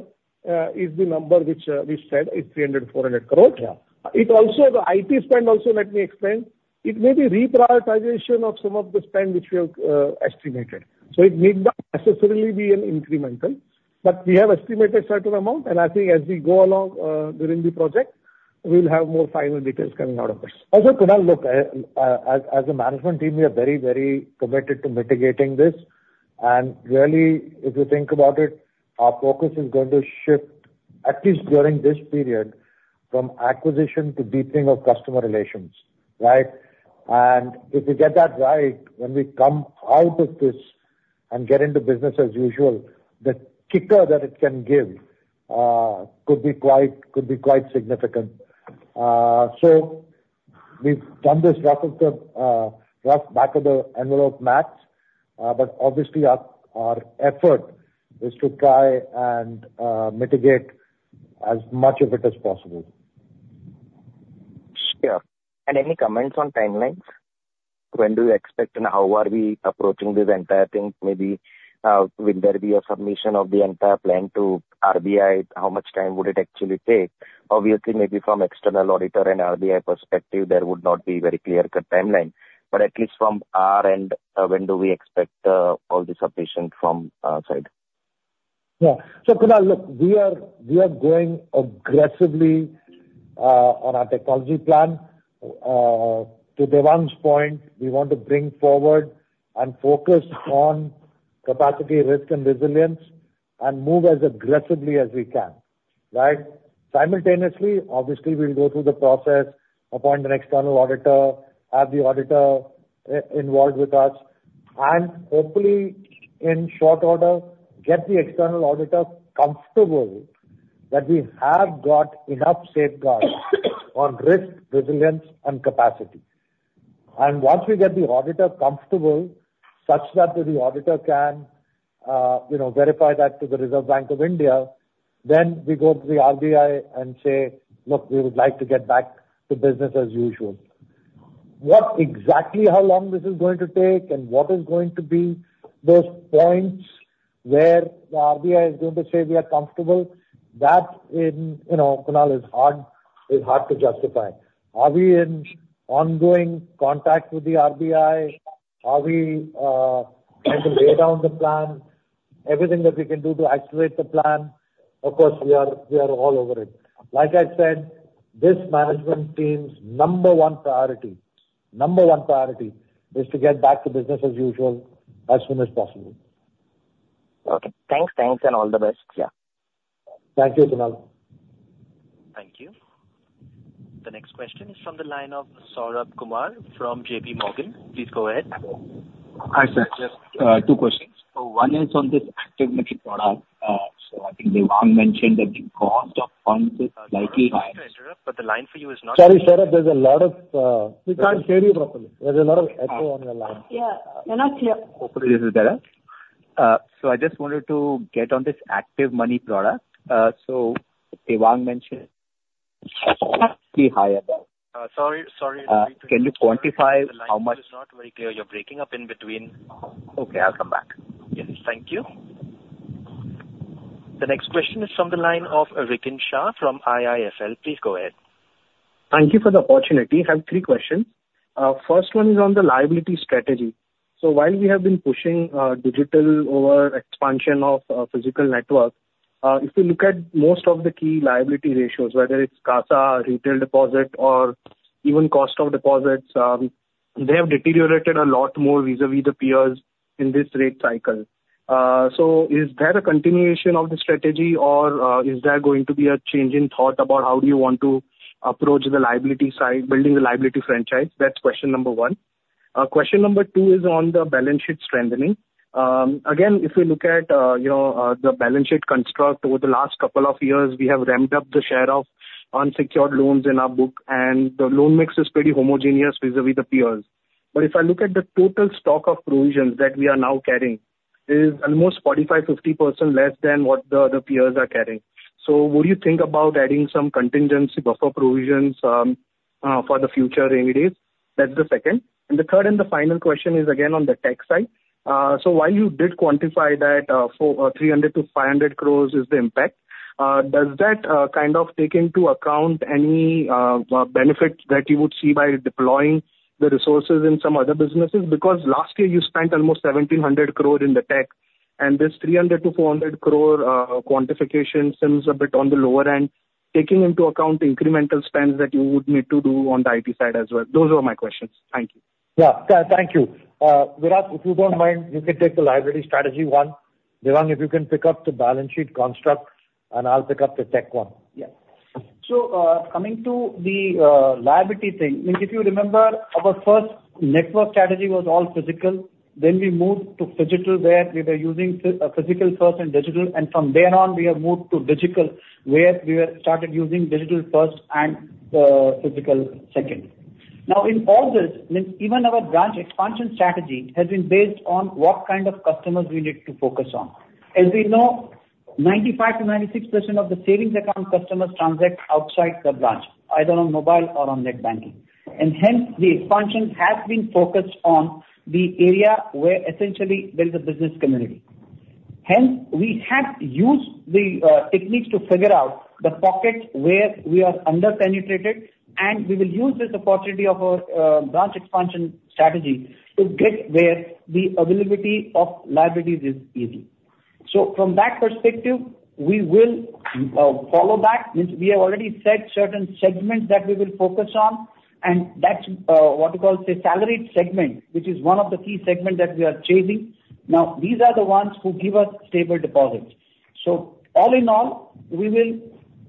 is the number which we said is 300 crore-400 crore. The IT spend also, let me explain, it may be reprioritization of some of the spend which we have estimated. So it may not necessarily be an incremental, but we have estimated certain amount. I think as we go along during the project, we'll have more final details coming out of this. Also, Kunal, look, as a management team, we are very, very committed to mitigating this. And really, if you think about it, our focus is going to shift, at least during this period, from acquisition to deepening of customer relations, right? And if we get that right, when we come out of this and get into business as usual, the kicker that it can give could be quite significant. So we've done this rough back of the envelope math. But obviously, our effort is to try and mitigate as much of it as possible. Sure. Any comments on timelines? When do you expect and how are we approaching this entire thing? Maybe will there be a submission of the entire plan to RBI? How much time would it actually take? Obviously, maybe from external auditor and RBI perspective, there would not be very clear-cut timeline. But at least from our end, when do we expect all this submission from our side? Yeah. So, Kunal, look, we are going aggressively on our technology plan. To Devang's point, we want to bring forward and focus on capacity, risk, and resilience and move as aggressively as we can, right? Simultaneously, obviously, we'll go through the process, appoint an external auditor, have the auditor involved with us, and hopefully, in short order, get the external auditor comfortable that we have got enough safeguards on risk, resilience, and capacity. And once we get the auditor comfortable such that the auditor can verify that to the Reserve Bank of India, then we go to the RBI and say, "Look, we would like to get back to business as usual." How long this is going to take and what is going to be those points where the RBI is going to say we are comfortable, that, Kunal, is hard to justify. Are we in ongoing contact with the RBI? Are we trying to lay down the plan? Everything that we can do to accelerate the plan, of course, we are all over it. Like I said, this management team's number one priority is to get back to business as usual as soon as possible. Okay. Thanks. Thanks, and all the best. Yeah. Thank you, Kunal. Thank you. The next question is from the line of Saurabh Kumar from JPMorgan Chase & Co.. Please go ahead. Hi, sir. Two questions. One is on this ActivMoney product. So I think Devang mentioned that the cost of funds is likely higher. Sorry to interrupt, but the line for you is not. Sorry, Saurabh, there's a lot. We can't hear you properly. There's a lot of echo on your line. Yeah. We're not clear. Hopefully, this is better. I just wanted to get on this ActivMoney product. Devang mentioned it's actually higher. Sorry. Sorry. Can you quantify how much? It's not very clear. You're breaking up in between. Okay. I'll come back. Yes. Thank you. The next question is from the line of Rikin Shah from IIFL. Please go ahead. Thank you for the opportunity. I have three questions. First one is on the liability strategy. So while we have been pushing digital over expansion of physical network, if you look at most of the key liability ratios, whether it's CASA, retail deposit, or even cost of deposits, they have deteriorated a lot more vis-à-vis the peers in this rate cycle. So is there a continuation of the strategy, or is there going to be a change in thought about how do you want to approach the liability side, building the liability franchise? That's question number one. Question number two is on the balance sheet strengthening. Again, if we look at the balance sheet construct, over the last couple of years, we have ramped up the share of unsecured loans in our book, and the loan mix is pretty homogeneous vis-à-vis the peers. But if I look at the total stock of provisions that we are now carrying, it is almost 45%-50% less than what the other peers are carrying. So would you think about adding some contingency buffer provisions for the future rainy days? That's the second. And the third and the final question is, again, on the tech side. So while you did quantify that 300 crore-500 crore is the impact, does that kind of take into account any benefit that you would see by deploying the resources in some other businesses? Because last year, you spent almost 1,700 crore in the tech, and this 300-400 crore quantification seems a bit on the lower end, taking into account incremental spends that you would need to do on the IT side as well. Those were my questions. Thank you. Yeah. Thank you. Virat, if you don't mind, you can take the liability strategy one. Devang, if you can pick up the balance sheet construct, and I'll pick up the tech one. Yes. So coming to the liability thing, if you remember, our first network strategy was all physical. Then we moved to physical where we were using physical first and digital. And from there on, we have moved to digital where we started using digital first and physical second. Now, in all this, even our branch expansion strategy has been based on what kind of customers we need to focus on. As we know, 95%-96% of the savings account customers transact outside the branch, either on mobile or on net banking. And hence, the expansion has been focused on the area where, essentially, there is a business community. Hence, we have used the techniques to figure out the pockets where we are under-penetrated, and we will use this opportunity of our branch expansion strategy to get where the availability of liabilities is easy. From that perspective, we will follow back. We have already set certain segments that we will focus on, and that's what you call the salaried segment, which is one of the key segments that we are chasing. Now, these are the ones who give us stable deposits. So all in all, we will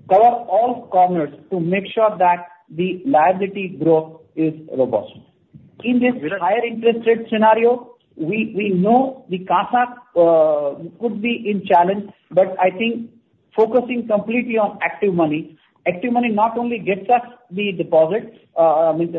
cover all corners to make sure that the liability growth is robust. In this higher-interest rate scenario, we know the CASA could be in challenge, but I think focusing completely on ActivMoney not only gets us the deposits, I mean,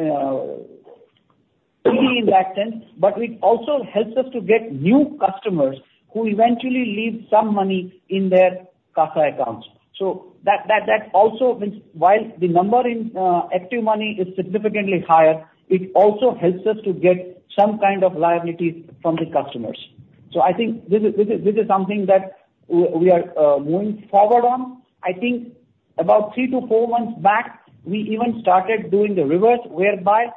in that sense, but it also helps us to get new customers who eventually leave some money in their CASA accounts. So that also means while the number in ActivMoney is significantly higher, it also helps us to get some kind of liabilities from the customers. So I think this is something that we are moving forward on. I think about 3-4 months back, we even started doing the reverse whereby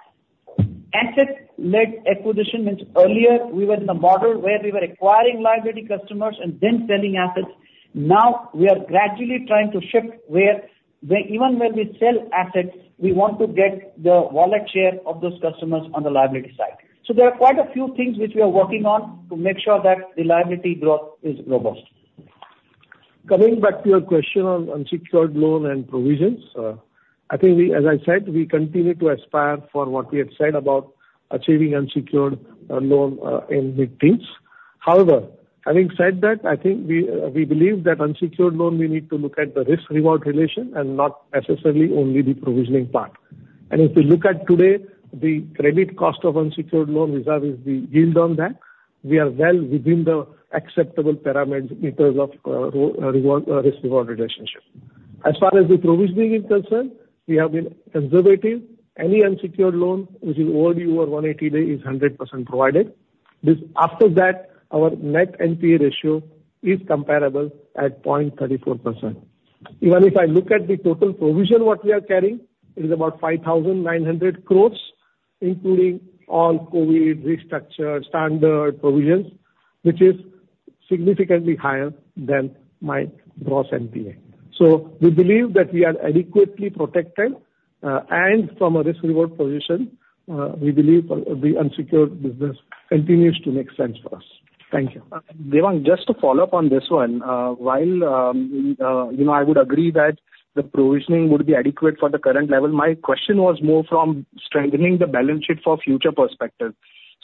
asset-led acquisition means earlier, we were in the model where we were acquiring liability customers and then selling assets. Now, we are gradually trying to shift where even when we sell assets, we want to get the wallet share of those customers on the liability side. So there are quite a few things which we are working on to make sure that the liability growth is robust. Coming back to your question on unsecured loan and provisions, I think, as I said, we continue to aspire for what we had said about achieving unsecured loan in big things. However, having said that, I think we believe that unsecured loan, we need to look at the risk-reward relation and not necessarily only the provisioning part. And if we look at today, the credit cost of unsecured loan vis-à-vis the yield on that, we are well within the acceptable parameters in terms of risk-reward relationship. As far as the provisioning is concerned, we have been conservative. Any unsecured loan which is over 180 days is 100% provided. After that, our net NPA ratio is comparable at 0.34%. Even if I look at the total provision, what we are carrying is about 5,900 crore, including all COVID restructured standard provisions, which is significantly higher than my gross NPA. So we believe that we are adequately protected. And from a risk-reward position, we believe the unsecured business continues to make sense for us. Thank you. Devang, just to follow up on this one, while I would agree that the provisioning would be adequate for the current level, my question was more from strengthening the balance sheet for future perspective.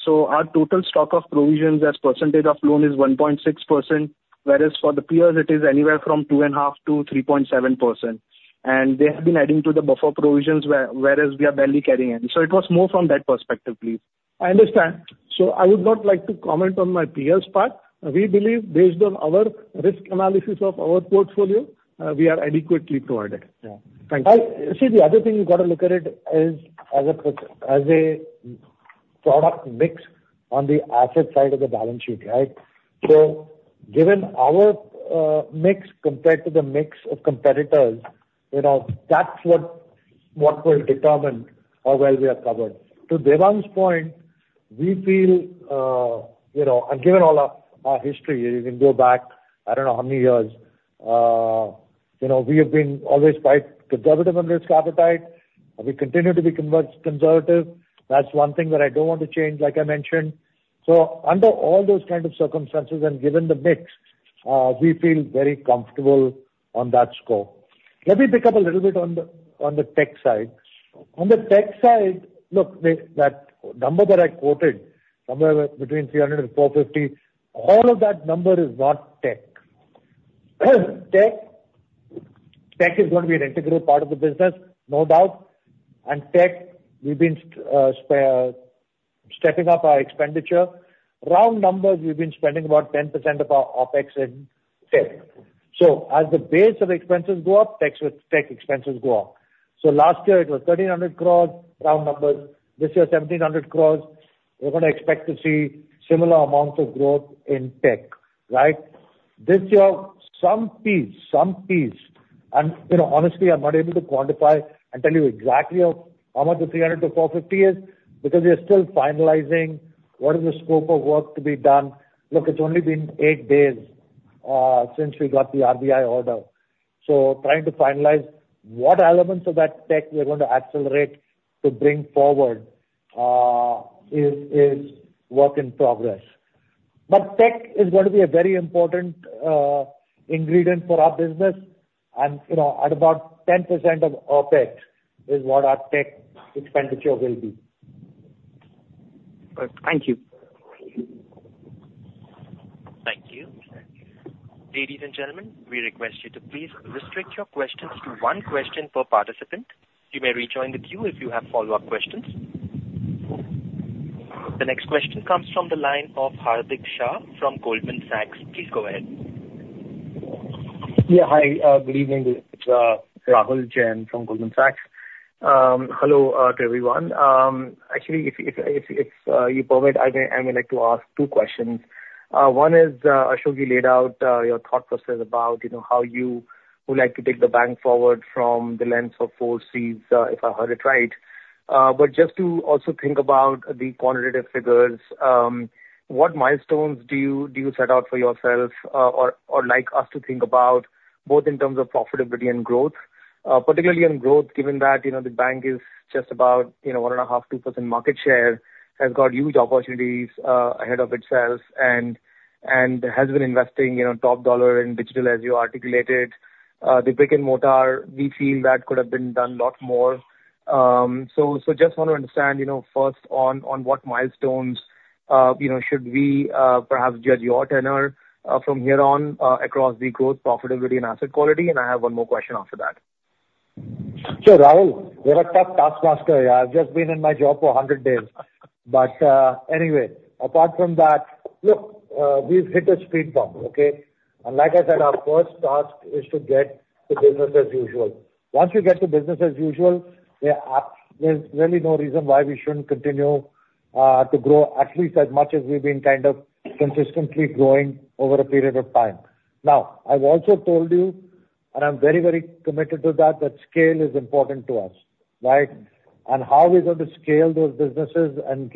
So our total stock of provisions as percentage of loan is 1.6%, whereas for the peers, it is anywhere from 2.5%-3.7%. And they have been adding to the buffer provisions, whereas we are barely carrying any. So it was more from that perspective, please. I understand. I would not like to comment on my peers' part. We believe, based on our risk analysis of our portfolio, we are adequately provided. Thank you. See, the other thing you've got to look at it as a product mix on the asset side of the balance sheet, right? So given our mix compared to the mix of competitors, that's what will determine how well we are covered. To Devang's point, we feel and given all our history, you can go back, I don't know how many years, we have been always quite conservative on risk appetite. We continue to be conservative. That's one thing that I don't want to change, like I mentioned. So under all those kinds of circumstances and given the mix, we feel very comfortable on that score. Let me pick up a little bit on the tech side. On the tech side, look, that number that I quoted, somewhere between 300-450, all of that number is not tech. Tech is going to be an integral part of the business, no doubt. Tech, we've been stepping up our expenditure. Round numbers, we've been spending about 10% of our OPEX in tech. So as the base of expenses go up, tech expenses go up. So last year, it was 1,300 crore, round numbers. This year, 1,700 crore. We're going to expect to see similar amounts of growth in tech, right? This year, some piece, some piece. And honestly, I'm not able to quantify and tell you exactly how much the 300 crore-450 crore is because we are still finalizing what is the scope of work to be done. Look, it's only been eight days since we got the RBI order. So trying to finalize what elements of that tech we're going to accelerate to bring forward is work in progress. Tech is going to be a very important ingredient for our business. At about 10% of OPEX is what our tech expenditure will be. Thank you. Thank you. Ladies and gentlemen, we request you to please restrict your questions to one question per participant. You may rejoin the queue if you have follow-up questions. The next question comes from the line of Hardik Shah from Goldman Sachs Group, Inc.. Please go ahead. Yeah. Hi. Good evening. It's Rahul Jain from Goldman Sachs Group, Inc.. Hello to everyone. Actually, if you permit, I would like to ask two questions. One is Ashok, you laid out your thought process about how you would like to take the bank forward from the lens of 4Cs, if I heard it right. But just to also think about the quantitative figures, what milestones do you set out for yourself or like us to think about both in terms of profitability and growth? Particularly on growth, given that the bank is just about 1.5%-2% market share, has got huge opportunities ahead of itself and has been investing top dollar in digital, as you articulated. The brick and mortar, we feel that could have been done a lot more. Just want to understand first on what milestones should we perhaps judge your tenure from here on across the growth, profitability, and asset quality? I have one more question after that. Sure, Rahul. You're a tough taskmaster, yeah. I've just been in my job for 100 days. But anyway, apart from that, look, we've hit a speed bump, okay? And like I said, our first task is to get to business as usual. Once we get to business as usual, there's really no reason why we shouldn't continue to grow at least as much as we've been kind of consistently growing over a period of time. Now, I've also told you, and I'm very, very committed to that, that scale is important to us, right? And how we're going to scale those businesses and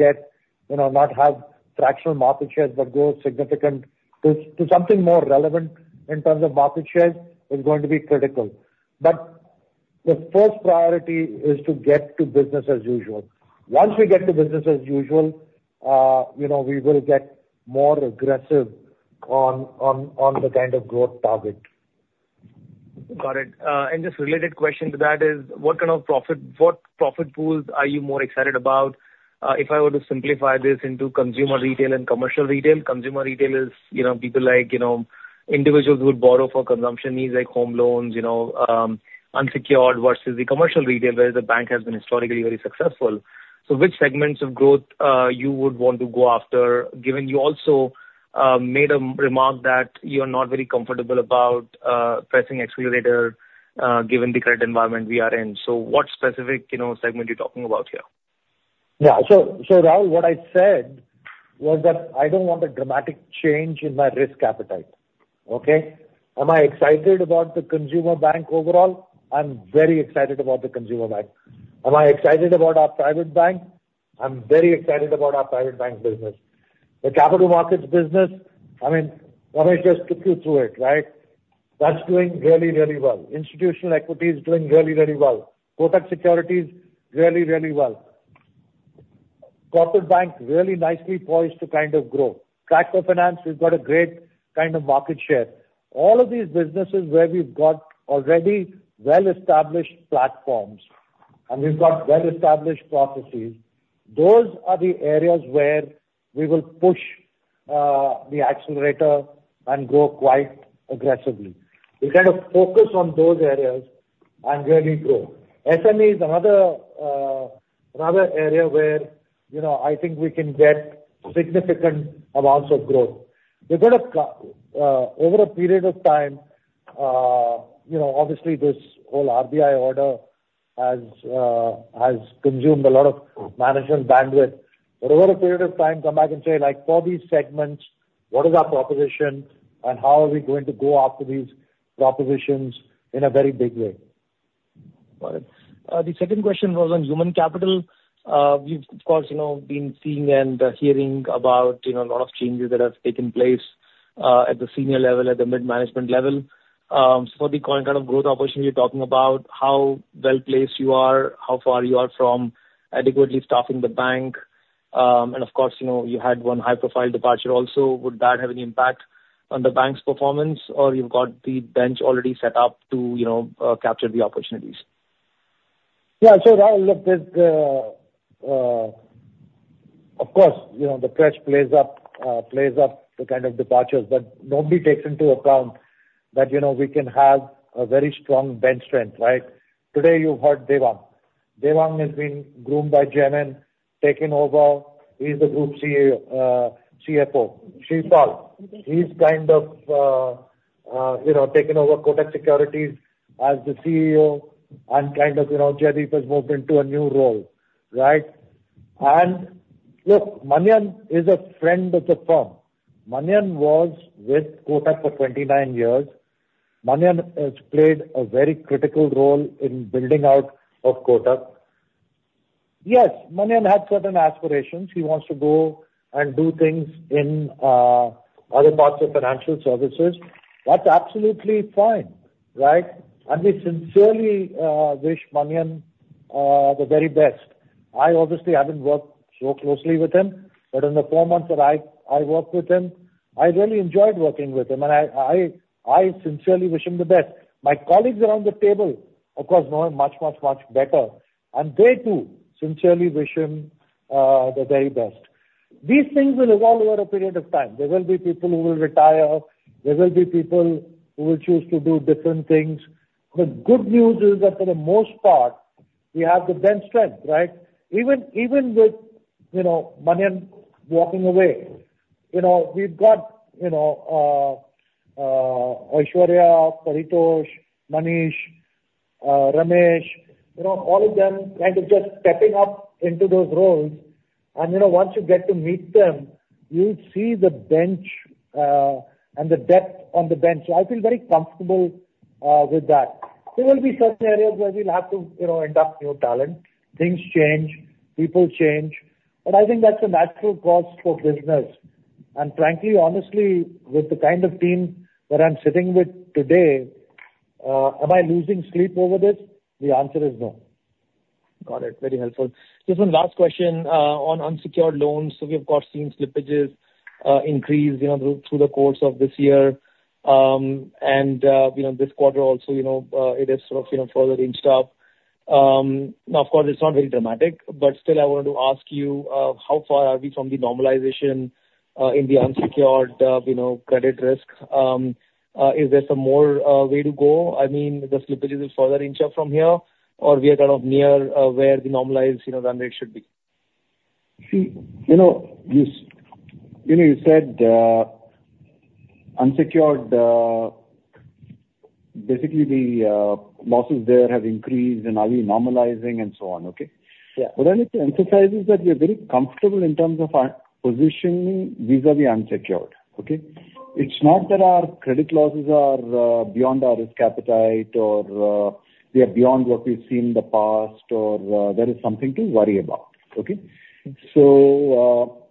not have fractional market shares but grow significant to something more relevant in terms of market shares is going to be critical. But the first priority is to get to business as usual. Once we get to business as usual, we will get more aggressive on the kind of growth target. Got it. And just related question to that is, what kind of profit pools are you more excited about? If I were to simplify this into consumer retail and commercial retail, consumer retail is people like individuals who would borrow for consumption needs like home loans, unsecured versus the commercial retail, whereas the bank has been historically very successful. So which segments of growth you would want to go after, given you also made a remark that you're not very comfortable about pressing accelerator given the current environment we are in? So what specific segment are you talking about here? Yeah. So, Rahul, what I said was that I don't want a dramatic change in my risk appetite, okay? Am I excited about the consumer bank overall? I'm very excited about the consumer bank. Am I excited about our private bank? I'm very excited about our private bank business. The capital markets business, I mean, let me just took you through it, right? That's doing really, really well. Institutional equity is doing really, really well. Kotak Securities, really, really well. Corporate bank, really nicely poised to kind of grow. Trade Finance, we've got a great kind of market share. All of these businesses where we've got already well-established platforms and we've got well-established processes, those are the areas where we will push the accelerator and grow quite aggressively. We'll kind of focus on those areas and really grow. SME is another area where I think we can get significant amounts of growth. We're going to, over a period of time obviously, this whole RBI order has consumed a lot of management bandwidth. But over a period of time, come back and say, "For these segments, what is our proposition, and how are we going to go after these propositions in a very big way? Got it. The second question was on human capital. We've, of course, been seeing and hearing about a lot of changes that have taken place at the senior level, at the mid-management level. So for the kind of growth opportunity you're talking about, how well-placed you are, how far you are from adequately staffing the bank, and of course, you had one high-profile departure also, would that have any impact on the bank's performance, or you've got the bench already set up to capture the opportunities? Yeah. So, Rahul, look, of course, the press plays up the kind of departures, but nobody takes into account that we can have a very strong bench strength, right? Today, you've heard Devang. Devang has been groomed by Jaimin, taken over. He's the Group CFO. Shripal, he's kind of taken over Kotak Securities as the CEO, and kind of Jaideep has moved into a new role, right? And look, Manian is a friend of the firm. Manian was with Kotak for 29 years. Manian has played a very critical role in building out of Kotak. Yes, Manian had certain aspirations. He wants to go and do things in other parts of financial services. That's absolutely fine, right? And we sincerely wish Manian the very best. I obviously haven't worked so closely with him, but in the four months that I worked with him, I really enjoyed working with him, and I sincerely wish him the best. My colleagues around the table, of course, know him much, much, much better. They, too, sincerely wish him the very best. These things will evolve over a period of time. There will be people who will retire. There will be people who will choose to do different things. The good news is that, for the most part, we have the bench strength, right? Even with Manian walking away, we've got Aishwarya, Paritosh, Manish, Ramesh, all of them kind of just stepping up into those roles. Once you get to meet them, you'll see the bench and the depth on the bench. I feel very comfortable with that. There will be certain areas where we'll have to end up new talent. Things change. People change. But I think that's a natural course for business. Frankly, honestly, with the kind of team that I'm sitting with today, am I losing sleep over this? The answer is no. Got it. Very helpful. Just one last question on unsecured loans. So we have, of course, seen slippages increase through the course of this year. And this quarter also, it is sort of further inched up. Now, of course, it's not very dramatic, but still, I wanted to ask you, how far are we from the normalization in the unsecured credit risk? Is there some more way to go? I mean, the slippages will further inch up from here, or we are kind of near where the normalized run rate should be? See, you said unsecured, basically, the losses there have increased, and are we normalizing, and so on, okay? But I'd like to emphasize is that we are very comfortable in terms of our positioning vis-à-vis unsecured, okay? It's not that our credit losses are beyond our risk appetite, or they are beyond what we've seen in the past, or there is something to worry about, okay? So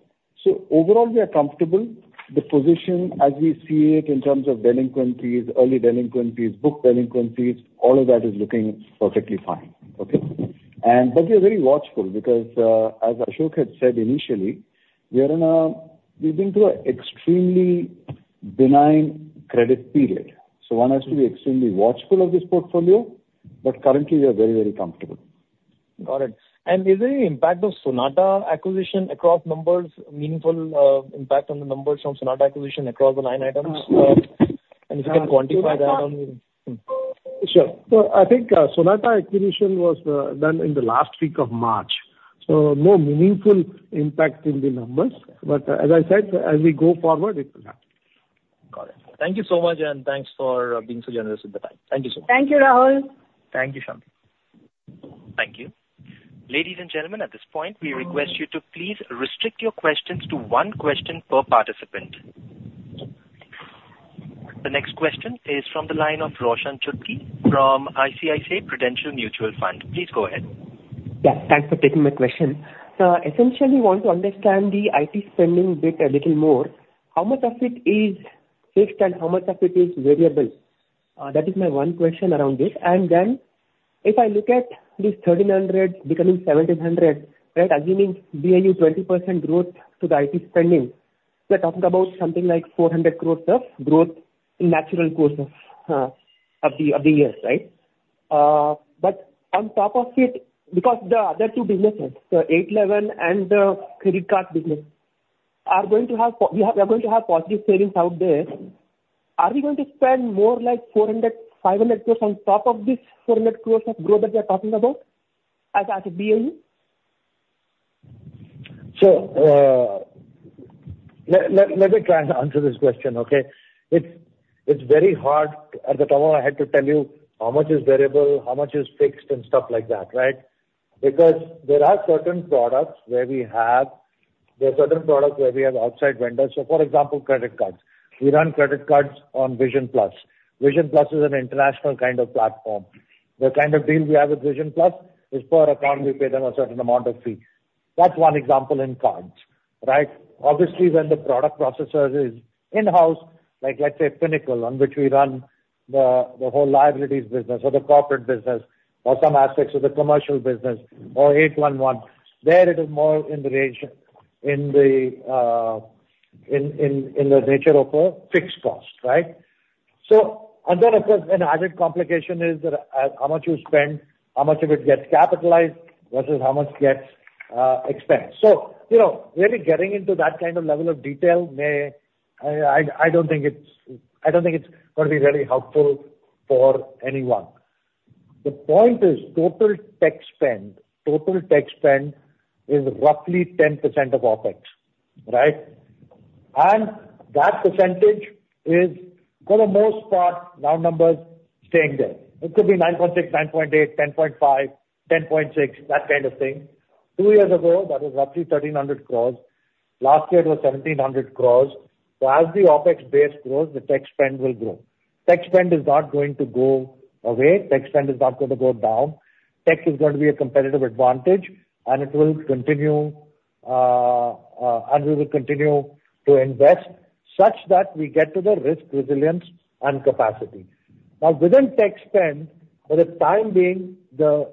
overall, we are comfortable. The position, as we see it in terms of delinquencies, early delinquencies, book delinquencies, all of that is looking perfectly fine, okay? But we are very watchful because, as Ashok had said initially, we've been through an extremely benign credit period. So one has to be extremely watchful of this portfolio, but currently, we are very, very comfortable. Got it. Is there any impact of Sonata acquisition across numbers, meaningful impact on the numbers from Sonata acquisition across the line items? If you can quantify that on me. Sure. So I think Sonata acquisition was done in the last week of March. So no meaningful impact in the numbers. But as I said, as we go forward, it will happen. Got it. Thank you so much, and thanks for being so generous with the time. Thank you so much. Thank you, Rahul. Thank you, Shanti. Thank you. Ladies and gentlemen, at this point, we request you to please restrict your questions to one question per participant. The next question is from the line of Roshan Chutkey from ICICI Prudential Mutual Fund. Please go ahead. Yeah. Thanks for taking my question. So I essentially want to understand the IT spending bit a little more. How much of it is fixed, and how much of it is variable? That is my one question around this. And then if I look at this 1,300 becoming 1,700, right, assuming BAU 20% growth to the IT spending, we are talking about something like 400 crore of growth in the natural course of the year, right? But on top of it, because the other two 811 and the credit card business, are going to have positive savings out there, are we going to spend more like 400 crore-500 crore on top of this 400 crore of growth that we are talking about as a BAU? So let me try and answer this question, okay? It's very hard. At the top of my head, to tell you how much is variable, how much is fixed, and stuff like that, right? Because there are certain products where we have there are certain products where we have outside vendors. So, for example, credit cards. We run credit cards on VisionPlus. VisionPLUS is an international kind of platform. The kind of deal we have with VisionPLUS is per account, we pay them a certain amount of fee. That's one example in cards, right? Obviously, when the product processor is in-house, like let's say Finacle, on which we run the whole liabilities business or the corporate business or some aspects of the commercial business or 811, there, it is more in the nature of a fixed cost, right? And then, of course, an added complication is how much you spend, how much of it gets capitalized versus how much gets expensed. So really getting into that kind of level of detail, I don't think it's going to be really helpful for anyone. The point is total tech spend, total tech spend is roughly 10% of OPEX, right? And that percentage is, for the most part, round numbers, staying there. It could be 9.6%, 9.8%, 10.5%, 10.6%, that kind of thing. Two years ago, that was roughly 1,300 crore. Last year, it was 1,700 crore. So as the OPEX base grows, the tech spend will grow. Tech spend is not going to go away. Tech spend is not going to go down. Tech is going to be a competitive advantage, and it will continue, and we will continue to invest such that we get to the risk resilience and capacity. Now, within tech spend, for the time being, the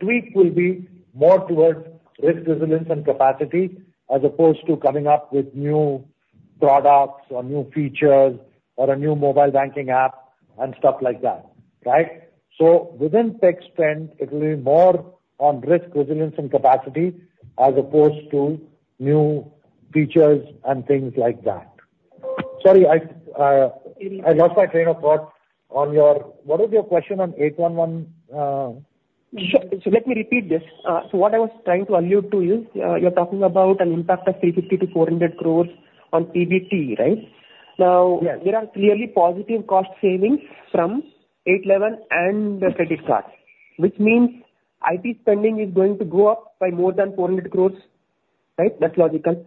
tweak will be more towards risk resilience and capacity as opposed to coming up with new products or new features or a new mobile banking app and stuff like that, right? So within tech spend, it will be more on risk resilience and capacity as opposed to new features and things like that. Sorry, I lost my train of thought on your what was your question on 811? Let me repeat this. What I was trying to allude to is you're talking about an impact of 350-400 crore on PBT, right? Now, there are clearly positive cost 811 and the credit cards, which means IT spending is going to go up by more than 400 crore, right? That's logical.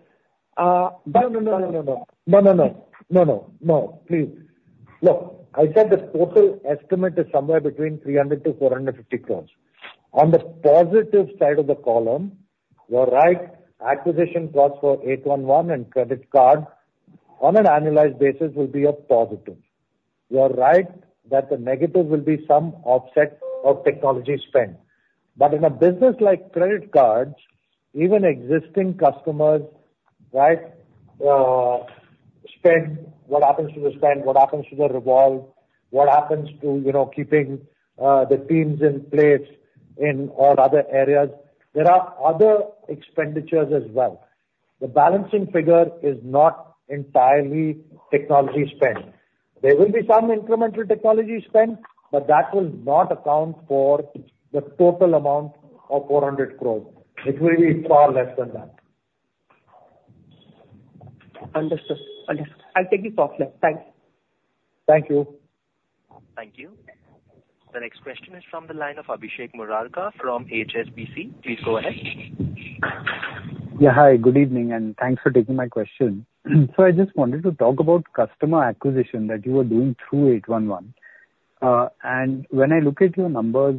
But. No, no, no, no, no, no. No, no, no. No, no, no. Please. Look, I said the total estimate is somewhere between 300 crore-450 crore. On the positive side of the column, you're right. Acquisition 811 and credit cards, on an annualized basis, will be a positive. You're right that the negative will be some offset of technology spend. But in a business like credit cards, even existing customers, right, spend what happens to the spend, what happens to the revolve, what happens to keeping the teams in place in all other areas, there are other expenditures as well. The balancing figure is not entirely technology spend. There will be some incremental technology spend, but that will not account for the total amount of 400 crore. It will be far less than that. Understood. Understood. I'll take it softly. Thanks. Thank you. Thank you. The next question is from the line of Abhishek Murarka from HSBC. Please go ahead. Yeah. Hi. Good evening, and thanks for taking my question. So I just wanted to talk about customer acquisition that you were 811. and when I look at your numbers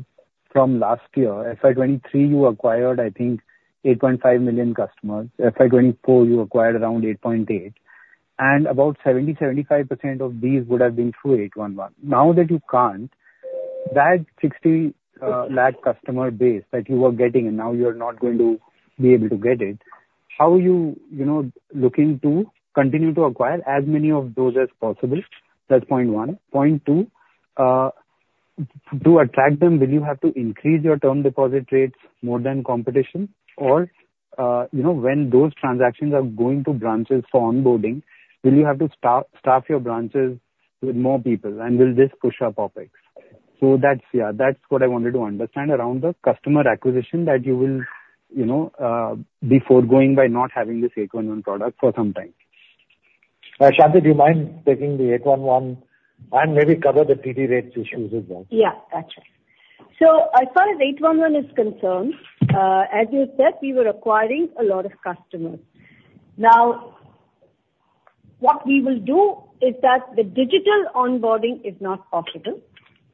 from last year, FY 2023, you acquired, I think, 8.5 million customers. FY 2024, you acquired around 8.8. And about 70%-75% of these would have 811. now that you can't, that 60 lakh customer base that you were getting, and now you're not going to be able to get it, how are you looking to continue to acquire as many of those as possible? That's point one. Point two, to attract them, will you have to increase your term deposit rates more than competition? Or when those transactions are going to branches for onboarding, will you have to staff your branches with more people, and will this push up OPEX? So yeah, that's what I wanted to understand around the customer acquisition that you will be foregoing by not having this 811 product for some time. Shanti, do you mind taking the 811 and maybe cover the PD rates issues as well? Yeah. That's right. So as far as 811 is concerned, as you said, we were acquiring a lot of customers. Now, what we will do is that the digital onboarding is not possible,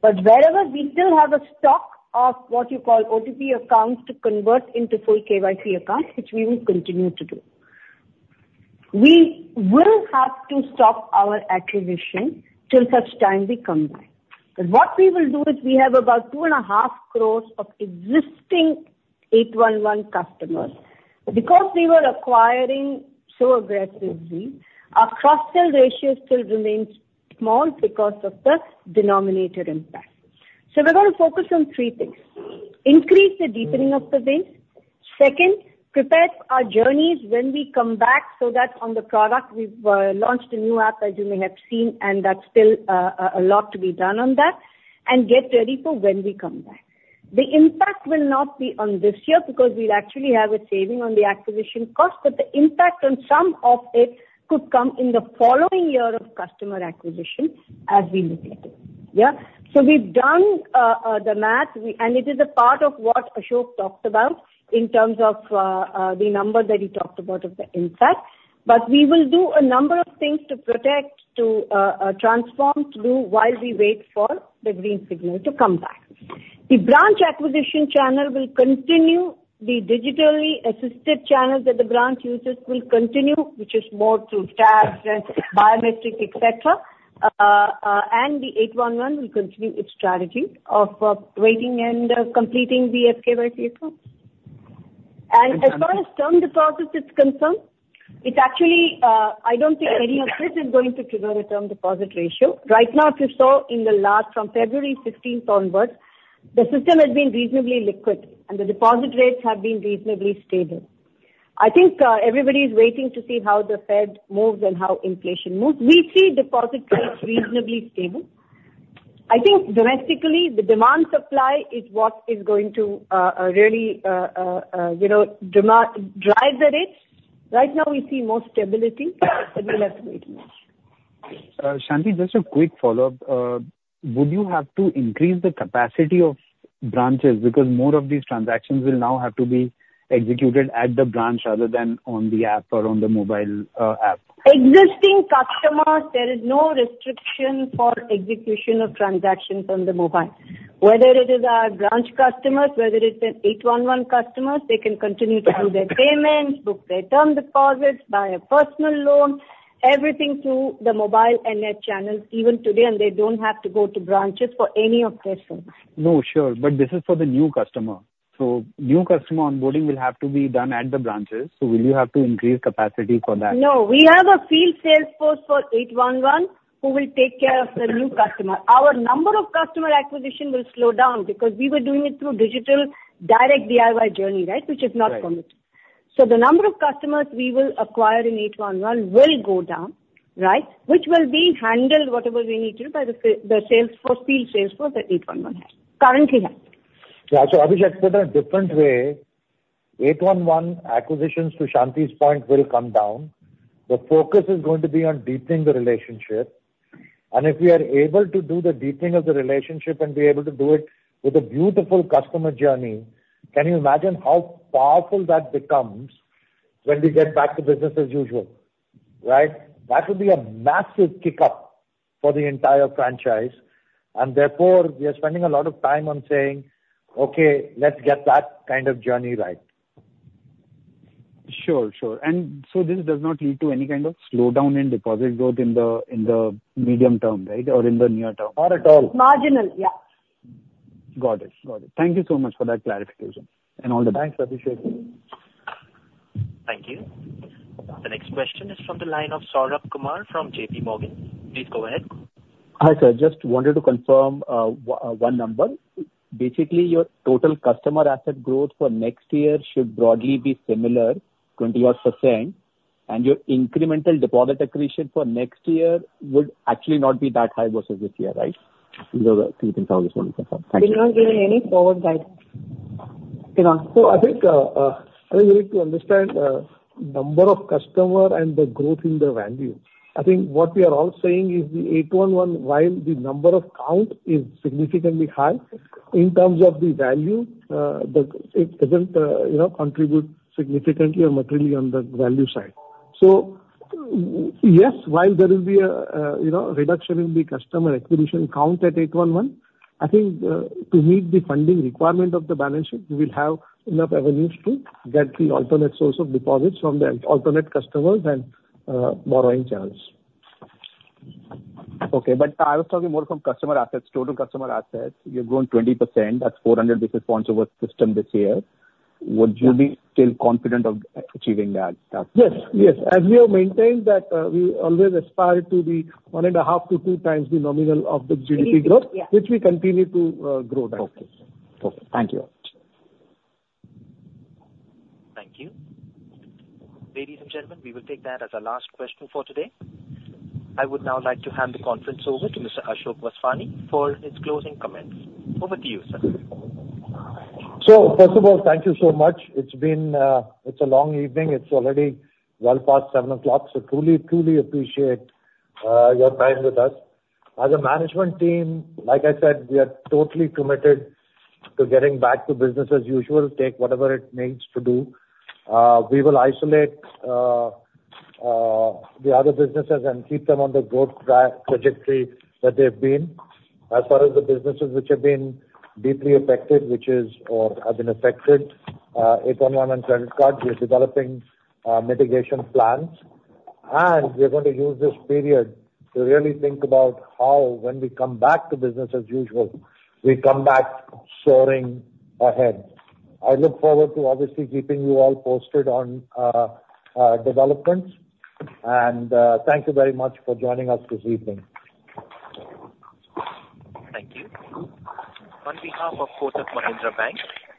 but wherever we still have a stock of what you call OTP accounts to convert into full KYC accounts, which we will continue to do, we will have to stop our acquisition till such time we come by. But what we will do is we have about 2.5 crore of existing 811 customers. Because we were acquiring so aggressively, our cross-sell ratio still remains small because of the denominator impact. So we're going to focus on three things: increase the deepening of the base. Second, prepare our journeys when we come back so that on the product, we've launched a new app, as you may have seen, and there's still a lot to be done on that, and get ready for when we come back. The impact will not be on this year because we'll actually have a saving on the acquisition cost, but the impact on some of it could come in the following year of customer acquisition as we look at it, yeah? So we've done the math, and it is a part of what Ashok talked about in terms of the number that he talked about of the impact. But we will do a number of things to protect, to transform, to do while we wait for the green signal to come back. The branch acquisition channel will continue. The digitally assisted channel that the branch users will continue, which is more through tabs and biometric, etc. The 811 will continue its strategy of waiting and completing the KYC accounts. As far as term deposits is concerned, I don't think any of this is going to trigger the term deposit ratio. Right now, as you saw in the last from February 15th onwards, the system has been reasonably liquid, and the deposit rates have been reasonably stable. I think everybody is waiting to see how the Fed moves and how inflation moves. We see deposit rates reasonably stable. I think domestically, the demand supply is what is going to really drive at it. Right now, we see more stability, but we'll have to wait and see. Shanti, just a quick follow-up. Would you have to increase the capacity of branches because more of these transactions will now have to be executed at the branch rather than on the app or on the mobile app? Existing customers, there is no restriction for execution of transactions on the mobile. Whether it is our branch customers, whether it's an 811 customer, they can continue to do their payments, book their term deposits, buy a personal loan, everything through the mobile and net channels. Even today, they don't have to go to branches for any of their services. No, sure. But this is for the new customer. So new customer onboarding will have to be done at the branches. So will you have to increase capacity for that? No. We have a field sales force for 811 who will take care of the new customer. Our number of customer acquisition will slow down because we were doing it through digital direct DIY journey, right, which is not committed. So the number of customers we will acquire in 811 will go down, right, which will be handled whatever we need to do by the field sales force that 811 currently has. Yeah. So Abhishek, put it a different way. 811 acquisitions, to Shanti's point, will come down. The focus is going to be on deepening the relationship. And if we are able to do the deepening of the relationship and be able to do it with a beautiful customer journey, can you imagine how powerful that becomes when we get back to business as usual, right? That will be a massive kick-up for the entire franchise. And therefore, we are spending a lot of time on saying, "Okay, let's get that kind of journey right. Sure, sure. And so this does not lead to any kind of slowdown in deposit growth in the medium term, right, or in the near term, right? Not at all. Marginal, yeah. Got it. Got it. Thank you so much for that clarification and all the best. Thanks, Abhishek. Thank you. The next question is from the line of Saurabh Kumar from JPMorgan Chase & Co.. Please go ahead. Hi, sir. Just wanted to confirm one number. Basically, your total customer asset growth for next year should broadly be similar 20-odd%, and your incremental deposit accretion for next year would actually not be that high versus this year, right? These are the three things I was wanting to confirm. Thank you. We're not giving any forward guidance. So I think you need to understand the number of customers and the growth in the value. I think what we are all saying is the 811, while the number of accounts is significantly high, in terms of the value, it doesn't contribute significantly or materially on the value side. So yes, while there will be a reduction in the customer acquisition count at 811, I think to meet the funding requirement of the balance sheet, we will have enough avenues to get the alternate source of deposits from the alternate customers and borrowing channels. Okay. But I was talking more from customer assets, total customer assets. You've grown 20%. That's 400 basis points over system this year. Would you be still confident of achieving that? Yes. Yes. As we have maintained that, we always aspire to be 1.5-2 times the nominal of the GDP growth, which we continue to grow that. Okay. Okay. Thank you. Thank you. Ladies and gentlemen, we will take that as our last question for today. I would now like to hand the conference over to Mr. Ashok Vaswani for his closing comments. Over to you, sir. So first of all, thank you so much. It's a long evening. It's already well past seven o'clock, so truly, truly appreciate your time with us. As a management team, like I said, we are totally committed to getting back to business as usual, take whatever it needs to do. We will isolate the other businesses and keep them on the growth trajectory that they've been. As far as the businesses which have been deeply affected, which have been affected 811 and credit cards, we're developing mitigation plans. And we're going to use this period to really think about how, when we come back to business as usual, we come back soaring ahead. I look forward to, obviously, keeping you all posted on developments. And thank you very much for joining us this evening. Thank you. On behalf of Kotak Mahindra Bank.